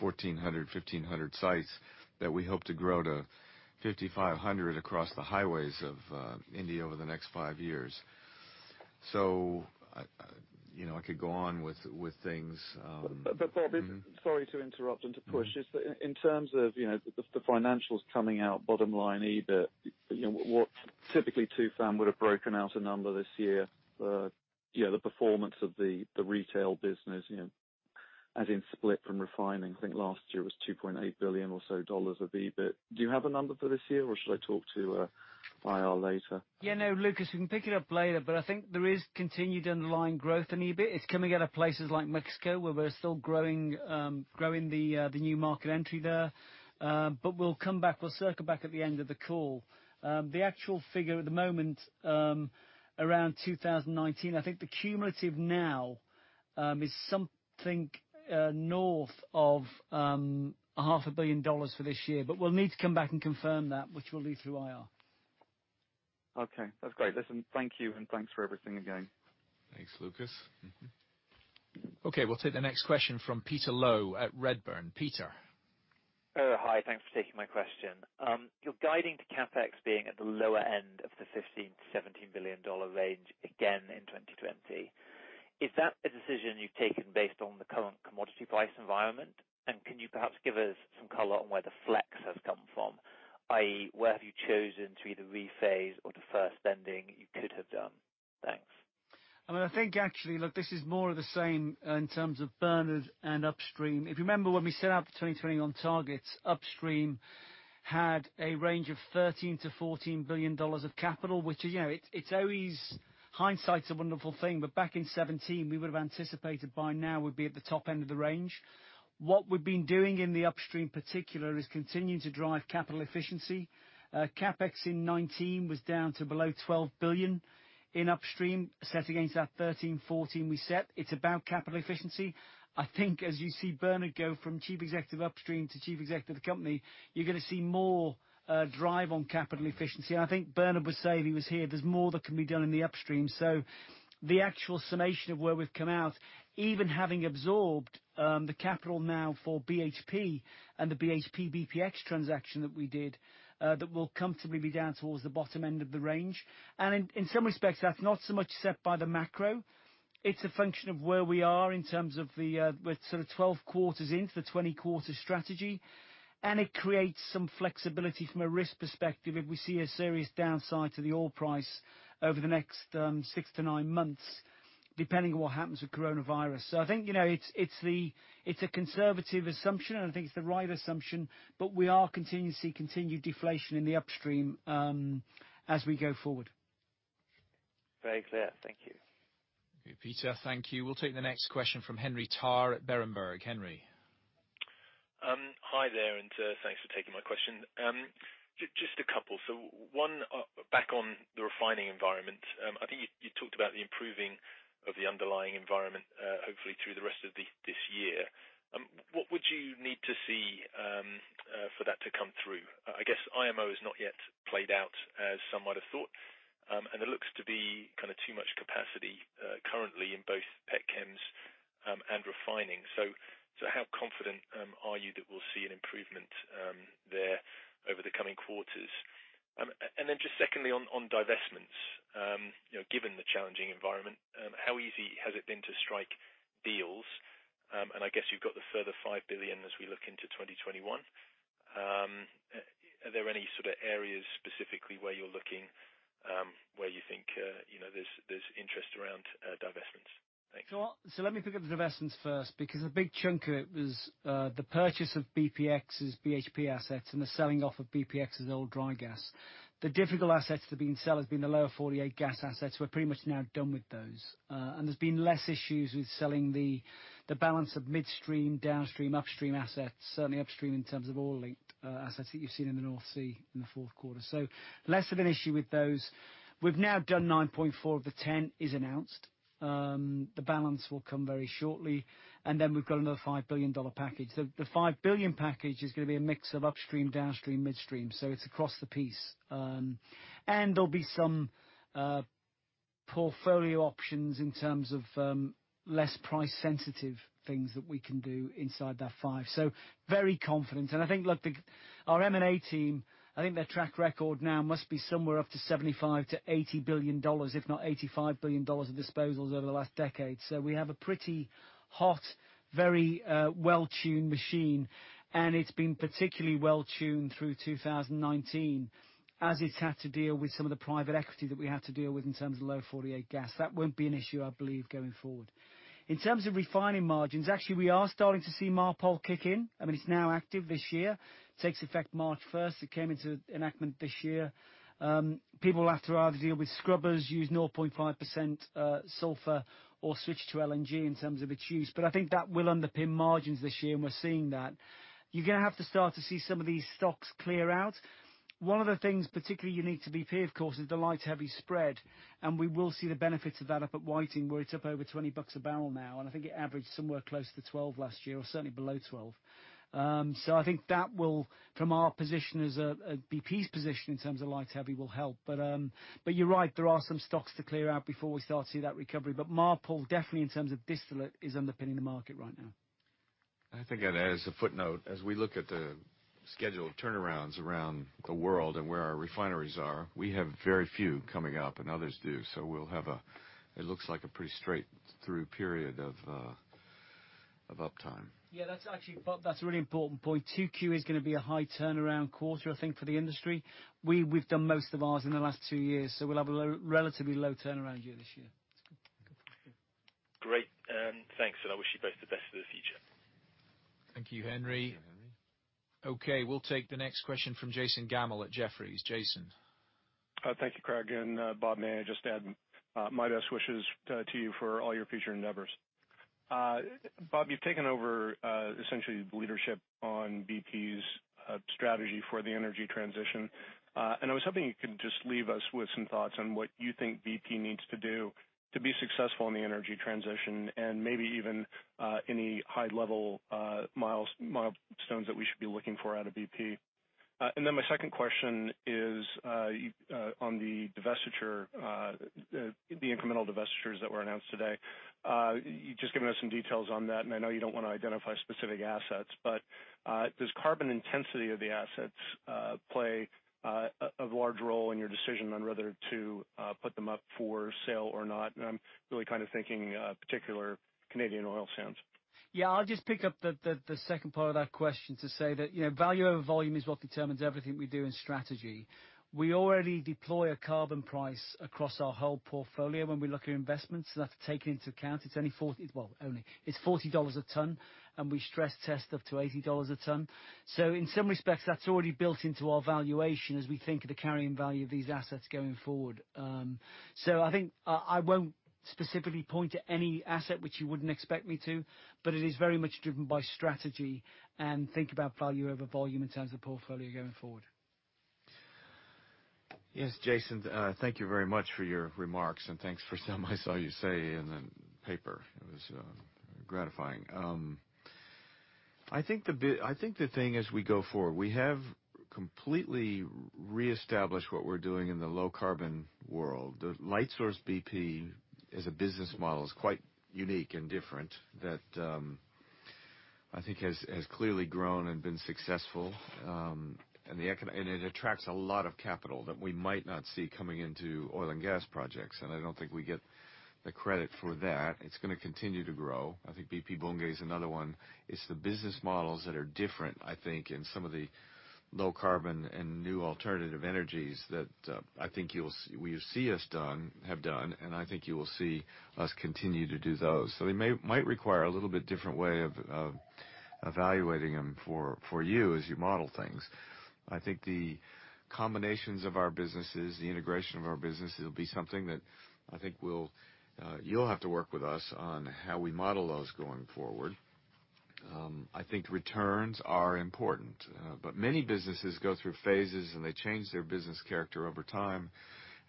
1,400, 1,500 sites that we hope to grow to 5,500 across the highways of India over the next five years. I could go on with things.
Bob, sorry to interrupt and to push. In terms of the financials coming out bottom line EBIT, what typically Tufan would have broken out a number this year, the performance of the retail business as in split from refining. I think last year was $2.8 billion or so of EBIT. Do you have a number for this year, or should I talk to IR later?
Yeah, no, Lucas, we can pick it up later, but I think there is continued underlying growth in EBIT. It's coming out of places like Mexico, where we're still growing the new market entry there. We'll circle back at the end of the call. The actual figure at the moment, around 2019, I think the cumulative now is something north of $500 million for this year. We'll need to come back and confirm that, which will be through IR.
Okay, that's great. Listen, thank you, and thanks for everything again.
Thanks, Lucas.
Okay, we'll take the next question from Peter Low at Redburn. Peter.
Hi, thanks for taking my question. You're guiding to CapEx being at the lower end of the $15 billion-$17 billion range again in 2020. Is that a decision you've taken based on the current commodity price environment? Can you perhaps give us some color on where the flex has come from, i.e., where have you chosen to either rephase or defer spending you could have done? Thanks.
I think actually, look, this is more of the same in terms of Bernard and Upstream. If you remember when we set out the 2020 on targets, Upstream had a range of $13 billion-$14 billion of capital, which is always hindsight's a wonderful thing. Back in 2017, we would have anticipated by now we'd be at the top end of the range. What we've been doing in the Upstream particular is continuing to drive capital efficiency. CapEx in 2019 was down to below $12 billion in Upstream set against that $13, $14 we set. It's about capital efficiency. I think as you see Bernard go from Chief Executive Upstream to Chief Executive of the company, you're going to see more drive on capital efficiency. I think Bernard was saying he was here. There's more that can be done in the Upstream. The actual summation of where we've come out, even having absorbed the capital now for BHP and the BHP bpx transaction that we did, that we'll comfortably be down towards the bottom end of the range. In some respects, that's not so much set by the macro. It's a function of where we are in terms of the. We're sort of 12 quarters into the 20 quarter strategy, and it creates some flexibility from a risk perspective if we see a serious downside to the oil price over the next six to nine months, depending on what happens with coronavirus. I think it's a conservative assumption, and I think it's the right assumption, but we are continuing to see continued deflation in the Upstream as we go forward.
Very clear. Thank you.
Peter, thank you. We'll take the next question from Henry Tarr at Berenberg. Henry.
Hi there, thanks for taking my question. Just a couple. One, back on the refining environment. I think you talked about the improving of the underlying environment, hopefully through the rest of this year. What would you need to see for that to come through? I guess IMO has not yet played out as some might have thought, and there looks to be too much capacity currently in both pet chems and refining. How confident are you that we'll see an improvement there over the coming quarters? Just secondly, on divestments. Given the challenging environment, how easy has it been to strike deals? I guess you've got the further 5 billion as we look into 2021. Are there any sort of areas specifically where you're looking where you think there's interest around divestments? Thanks.
Let me pick up the divestments first, because a big chunk of it was the purchase of bpx energy's BHP assets and the selling off of bpx energy's old dry gas. The difficult assets that have been sell has been the Lower 48 gas assets. We're pretty much now done with those. There's been less issues with selling the balance of midstream, downstream, upstream assets, certainly upstream in terms of oil-linked assets that you've seen in the North Sea in the fourth quarter. Less of an issue with those. We've now done $9.4 of the $10 is announced. The balance will come very shortly. We've got another $5 billion package. The $5 billion package is going to be a mix of upstream, downstream, midstream, so it's across the piece. There'll be some Portfolio options in terms of less price sensitive things that we can do inside that five. Very confident. I think, look, our M&A team, I think their track record now must be somewhere up to $75 billion-$80 billion, if not $85 billion of disposals over the last decade. We have a pretty hot, very well-tuned machine, and it's been particularly well-tuned through 2019, as it's had to deal with some of the private equity that we had to deal with in terms of Low 48 gas. That won't be an issue, I believe, going forward. In terms of refining margins, actually, we are starting to see MARPOL kick in. It's now active this year, takes effect March 1st. It came into enactment this year. People will have to either deal with scrubbers, use 0.5% sulfur or switch to LNG in terms of its use. I think that will underpin margins this year, and we're seeing that. You're going to have to start to see some of these stocks clear out. One of the things particularly unique to BP, of course, is the light-heavy spread, and we will see the benefits of that up at Whiting, where it's up over $20 a barrel now, and I think it averaged somewhere close to $12 last year, or certainly below $12. I think that will, from our position, BP's position in terms of light heavy will help. You're right, there are some stocks to clear out before we start to see that recovery. MARPOL definitely in terms of distillate is underpinning the market right now.
I think as a footnote, as we look at the scheduled turnarounds around the world and where our refineries are, we have very few coming up and others do. It looks like a pretty straight through period of uptime.
Yeah. That's actually, Bob, that's a really important point. 2Q is going to be a high turnaround quarter, I think, for the industry. We've done most of ours in the last two years. We'll have a relatively low turnaround year this year.
That's good.
Great. Thanks. I wish you both the best for the future.
Thank you, Henry.
Thank you, Henry.
Okay, we'll take the next question from Jason Gammel at Jefferies. Jason.
Thank you, Craig and Bob. May I just add my best wishes to you for all your future endeavors. Bob, you've taken over essentially the leadership on BP's strategy for the energy transition. I was hoping you could just leave us with some thoughts on what you think BP needs to do to be successful in the energy transition and maybe even any high level milestones that we should be looking for out of BP. My second question is on the divestiture, the incremental divestitures that were announced today. Just giving us some details on that, and I know you don't want to identify specific assets, but does carbon intensity of the assets play a large role in your decision on whether to put them up for sale or not? I'm really thinking particular Canadian oil sands.
I'll just pick up the second part of that question to say that value over volume is what determines everything we do in strategy. We already deploy a carbon price across our whole portfolio when we look at investments. That's taken into account. It's $40 a ton, and we stress test up to $80 a ton. In some respects, that's already built into our valuation as we think of the carrying value of these assets going forward. I think I won't specifically point to any asset which you wouldn't expect me to, but it is very much driven by strategy and think about value over volume in terms of portfolio going forward.
Yes, Jason, thank you very much for your remarks and thanks for some I saw you say in the paper. It was gratifying. I think the thing as we go forward, we have completely reestablished what we're doing in the low-carbon world. Lightsource bp as a business model is quite unique and different that I think has clearly grown and been successful. It attracts a lot of capital that we might not see coming into oil and gas projects, and I don't think we get the credit for that. It's going to continue to grow. I think BP Bunge is another one. It's the business models that are different, I think, in some of the low carbon and new alternative energies that I think you'll see us have done, and I think you will see us continue to do those. They might require a little bit different way of evaluating them for you as you model things. I think the combinations of our businesses, the integration of our business, it'll be something that I think you'll have to work with us on how we model those going forward. I think returns are important. Many businesses go through phases, and they change their business character over time,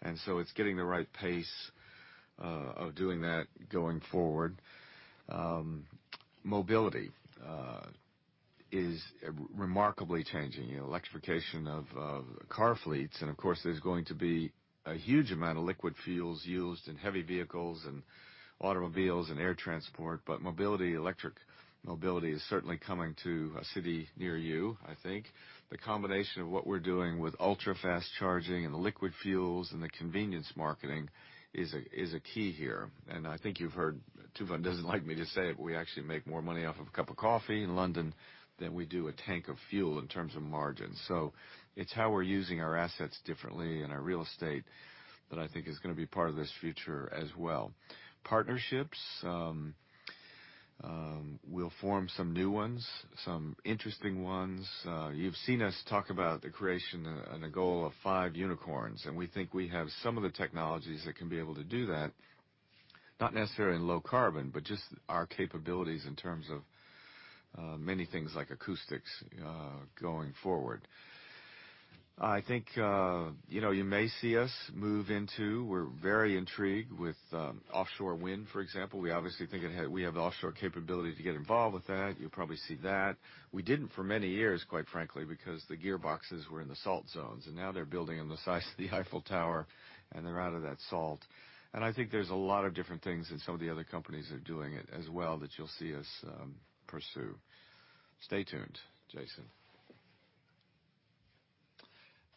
it's getting the right pace of doing that going forward. Mobility is remarkably changing. Electrification of car fleets, of course, there's going to be a huge amount of liquid fuels used in heavy vehicles and automobiles and air transport. Mobility, electric mobility is certainly coming to a city near you, I think. The combination of what we're doing with ultra-fast charging and the liquid fuels and the convenience marketing is a key here. I think you've heard, Tufan doesn't like me to say it, but we actually make more money off of a cup of coffee in London than we do a tank of fuel in terms of margin. It's how we're using our assets differently and our real estate that I think is going to be part of this future as well. Partnerships. We'll form some new ones, some interesting ones. You've seen us talk about the creation and the goal of five unicorns, and we think we have some of the technologies that can be able to do that. Not necessarily in low carbon, but just our capabilities in terms of many things like acoustics going forward. I think you may see us move into, we're very intrigued with offshore wind, for example. We obviously think we have the offshore capability to get involved with that. You'll probably see that. We didn't for many years, quite frankly, because the gearboxes were in the salt zones, and now they're building them the size of the Eiffel Tower and they're out of that salt. I think there's a lot of different things that some of the other companies are doing it as well that you'll see us pursue. Stay tuned, Jason.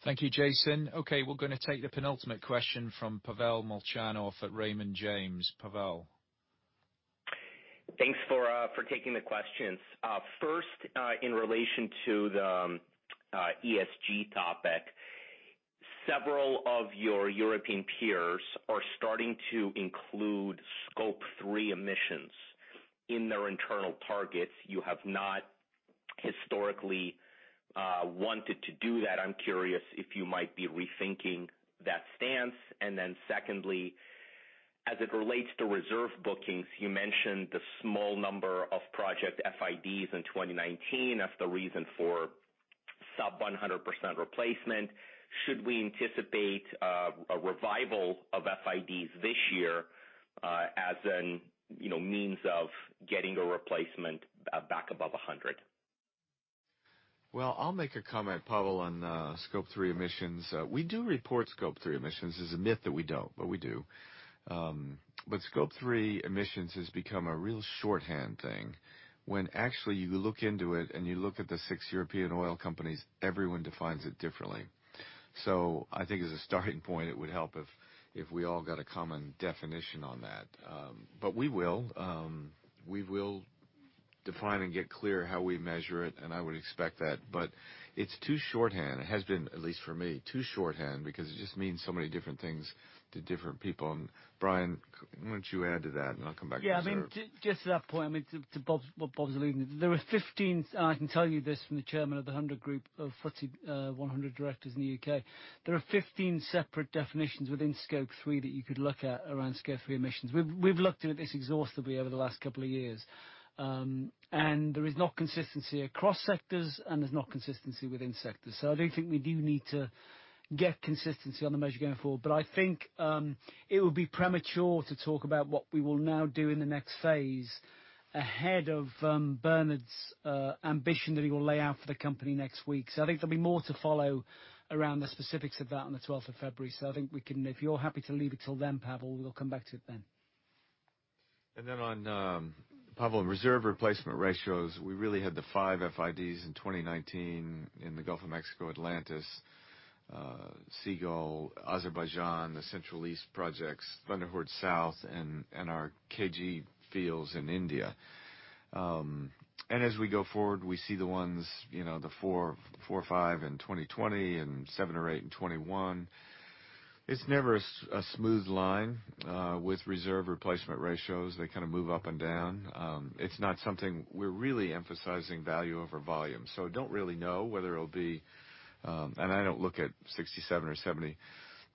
Thank you, Jason. Okay, we're going to take the penultimate question from Pavel Molchanov at Raymond James. Pavel.
Thanks for taking the questions. First, in relation to the ESG topic. Several of your European peers are starting to include Scope 3 emissions in their internal targets. You have not historically wanted to do that. I'm curious if you might be rethinking that stance. Secondly, as it relates to reserve bookings, you mentioned the small number of project FIDs in 2019 as the reason for sub 100% replacement. Should we anticipate a revival of FIDs this year as a means of getting a replacement back above 100%?
Well, I'll make a comment, Pavel, on Scope 3 emissions. We do report Scope 3 emissions. It's a myth that we don't, but we do. Scope 3 emissions has become a real shorthand thing when actually you look into it and you look at the six European oil companies, everyone defines it differently. I think as a starting point, it would help if we all got a common definition on that. We will. We will define and get clear how we measure it, and I would expect that. It's too shorthand. It has been, at least for me, too shorthand because it just means so many different things to different people. Brian, why don't you add to that, and I'll come back to reserve.
Yeah. Just to that point, to what Bob's alluding to. I can tell you this from the chairman of The 100 Group of FTSE 100 directors in the U.K. There are 15 separate definitions within Scope 3 that you could look at around Scope 3 emissions. We've looked into this exhaustively over the last couple of years. There is no consistency across sectors, and there's no consistency within sectors. I do think we do need to get consistency on the measure going forward. I think it would be premature to talk about what we will now do in the next phase ahead of Bernard's ambition that he will lay out for the company next week. I think there'll be more to follow around the specifics of that on the 12th of February 2020. I think we can, if you're happy to leave it till then, Pavel, we'll come back to it then.
Pavel, reserve replacement ratios. We really had the five FIDs in 2019 in the Gulf of Mexico, Atlantis, Seagull, Azerbaijan, the Central East projects, Thunder Horse South, and our KG fields in India. As we go forward, we see the ones, the four or five in 2020 and seven or eight in 2021. It's never a smooth line with reserve replacement ratios. They kind of move up and down. We're really emphasizing value over volume. Don't really know whether it'll be, and I don't look at 67% or 70%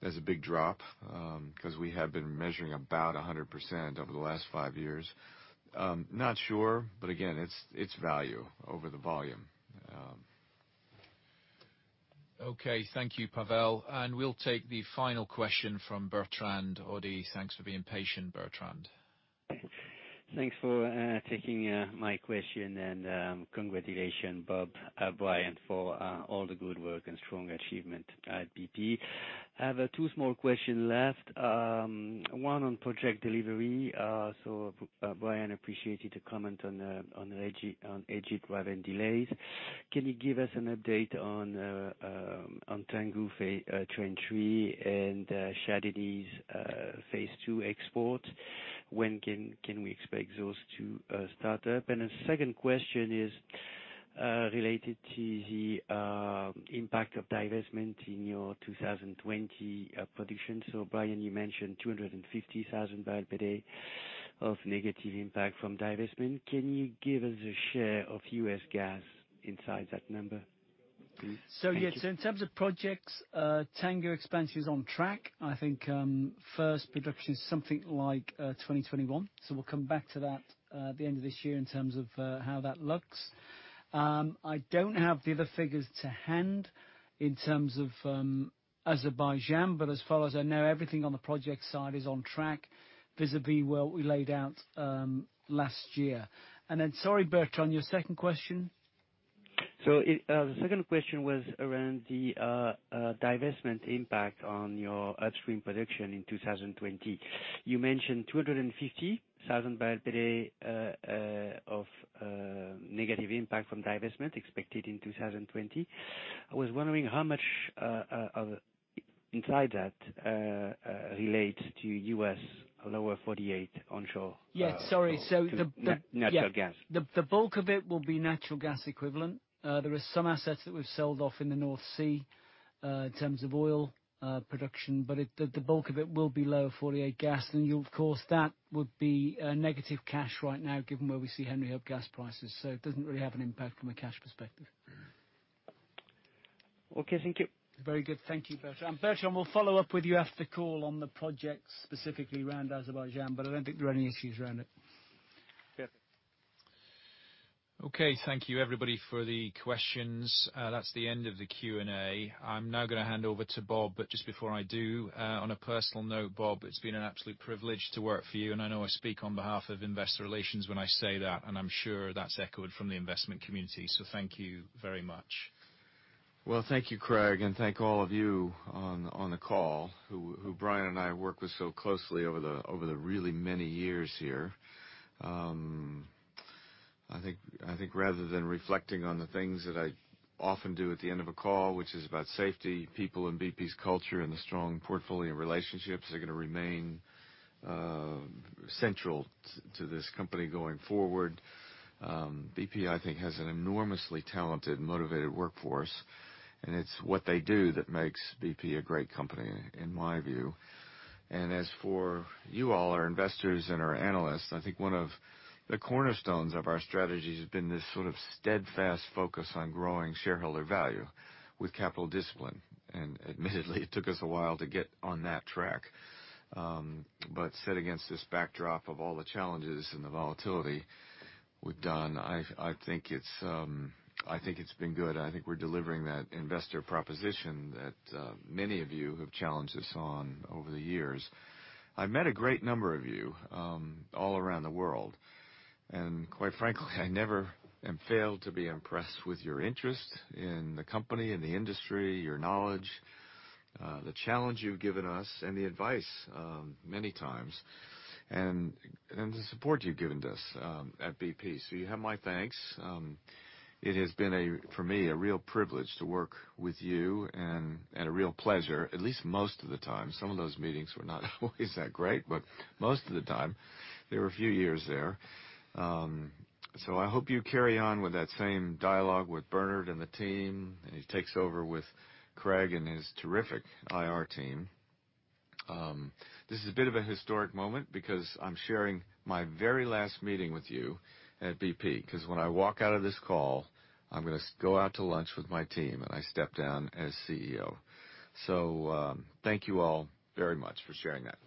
as a big drop because we have been measuring about 100% over the last five years. Not sure, again, it's value over the volume.
Okay. Thank you, Pavel. We'll take the final question from Bertrand Hodee. Thanks for being patient, Bertrand.
Thanks for taking my question and congratulations, Bob, Brian, for all the good work and strong achievement at BP. I have two small question left. One on project delivery. Brian, appreciate you to comment on West Nile Delta Raven delays. Can you give us an update on Tangguh Train 3 and Shah Deniz phase II export? When can we expect those to start up? The second question is related to the impact of divestment in your 2020 production. Brian, you mentioned 250,000 bbl per day of negative impact from divestment. Can you give us a share of U.S. gas inside that number, please? Thank you.
Yes, in terms of projects, Tangguh expansion is on track. I think first production is something like 2021. We'll come back to that at the end of this year in terms of how that looks. I don't have the other figures to hand in terms of Azerbaijan, but as far as I know, everything on the project side is on track vis-à-vis what we laid out last year. Sorry, Bertrand, your second question.
The second question was around the divestment impact on your upstream production in 2020. You mentioned 250,000 barrel per day of negative impact from divestment expected in 2020. I was wondering how much inside that relate to U.S. Lower 48 onshore?
Yeah, sorry.
Natural gas.
The bulk of it will be natural gas equivalent. There is some assets that we've sold off in the North Sea in terms of oil production, but the bulk of it will be Lower 48 gas. Of course that would be a negative cash right now given where we see Henry Hub gas prices. It doesn't really have an impact from a cash perspective.
Okay. Thank you.
Very good. Thank you, Bertrand. Bertrand, we'll follow up with you after the call on the project specifically around Azerbaijan, but I don't think there are any issues around it.
Perfect.
Okay. Thank you everybody for the questions. That's the end of the Q&A. I'm now going to hand over to Bob, just before I do, on a personal note, Bob, it's been an absolute privilege to work for you, and I know I speak on behalf of investor relations when I say that, and I'm sure that's echoed from the investment community. Thank you very much.
Well, thank you, Craig, thank all of you on the call who Brian and I worked with so closely over the really many years here. I think rather than reflecting on the things that I often do at the end of a call, which is about safety, people, and BP's culture and the strong portfolio relationships are going to remain central to this company going forward. BP, I think, has an enormously talented, motivated workforce, it's what they do that makes BP a great company, in my view. As for you all, our investors and our analysts, I think one of the cornerstones of our strategy has been this sort of steadfast focus on growing shareholder value with capital discipline. Admittedly, it took us a while to get on that track. Set against this backdrop of all the challenges and the volatility we've done, I think it's been good. I think we're delivering that investor proposition that many of you have challenged us on over the years. I've met a great number of you all around the world. Quite frankly, I never am failed to be impressed with your interest in the company and the industry, your knowledge, the challenge you've given us and the advice many times, and the support you've given to us at BP. You have my thanks. It has been, for me, a real privilege to work with you and a real pleasure at least most of the time. Some of those meetings were not always that great, but most of the time. There were a few years there. I hope you carry on with that same dialogue with Bernard and the team as he takes over with Craig and his terrific IR team. This is a bit of a historic moment because I'm sharing my very last meeting with you at BP, because when I walk out of this call, I'm going to go out to lunch with my team, and I step down as CEO. Thank you all very much for sharing that.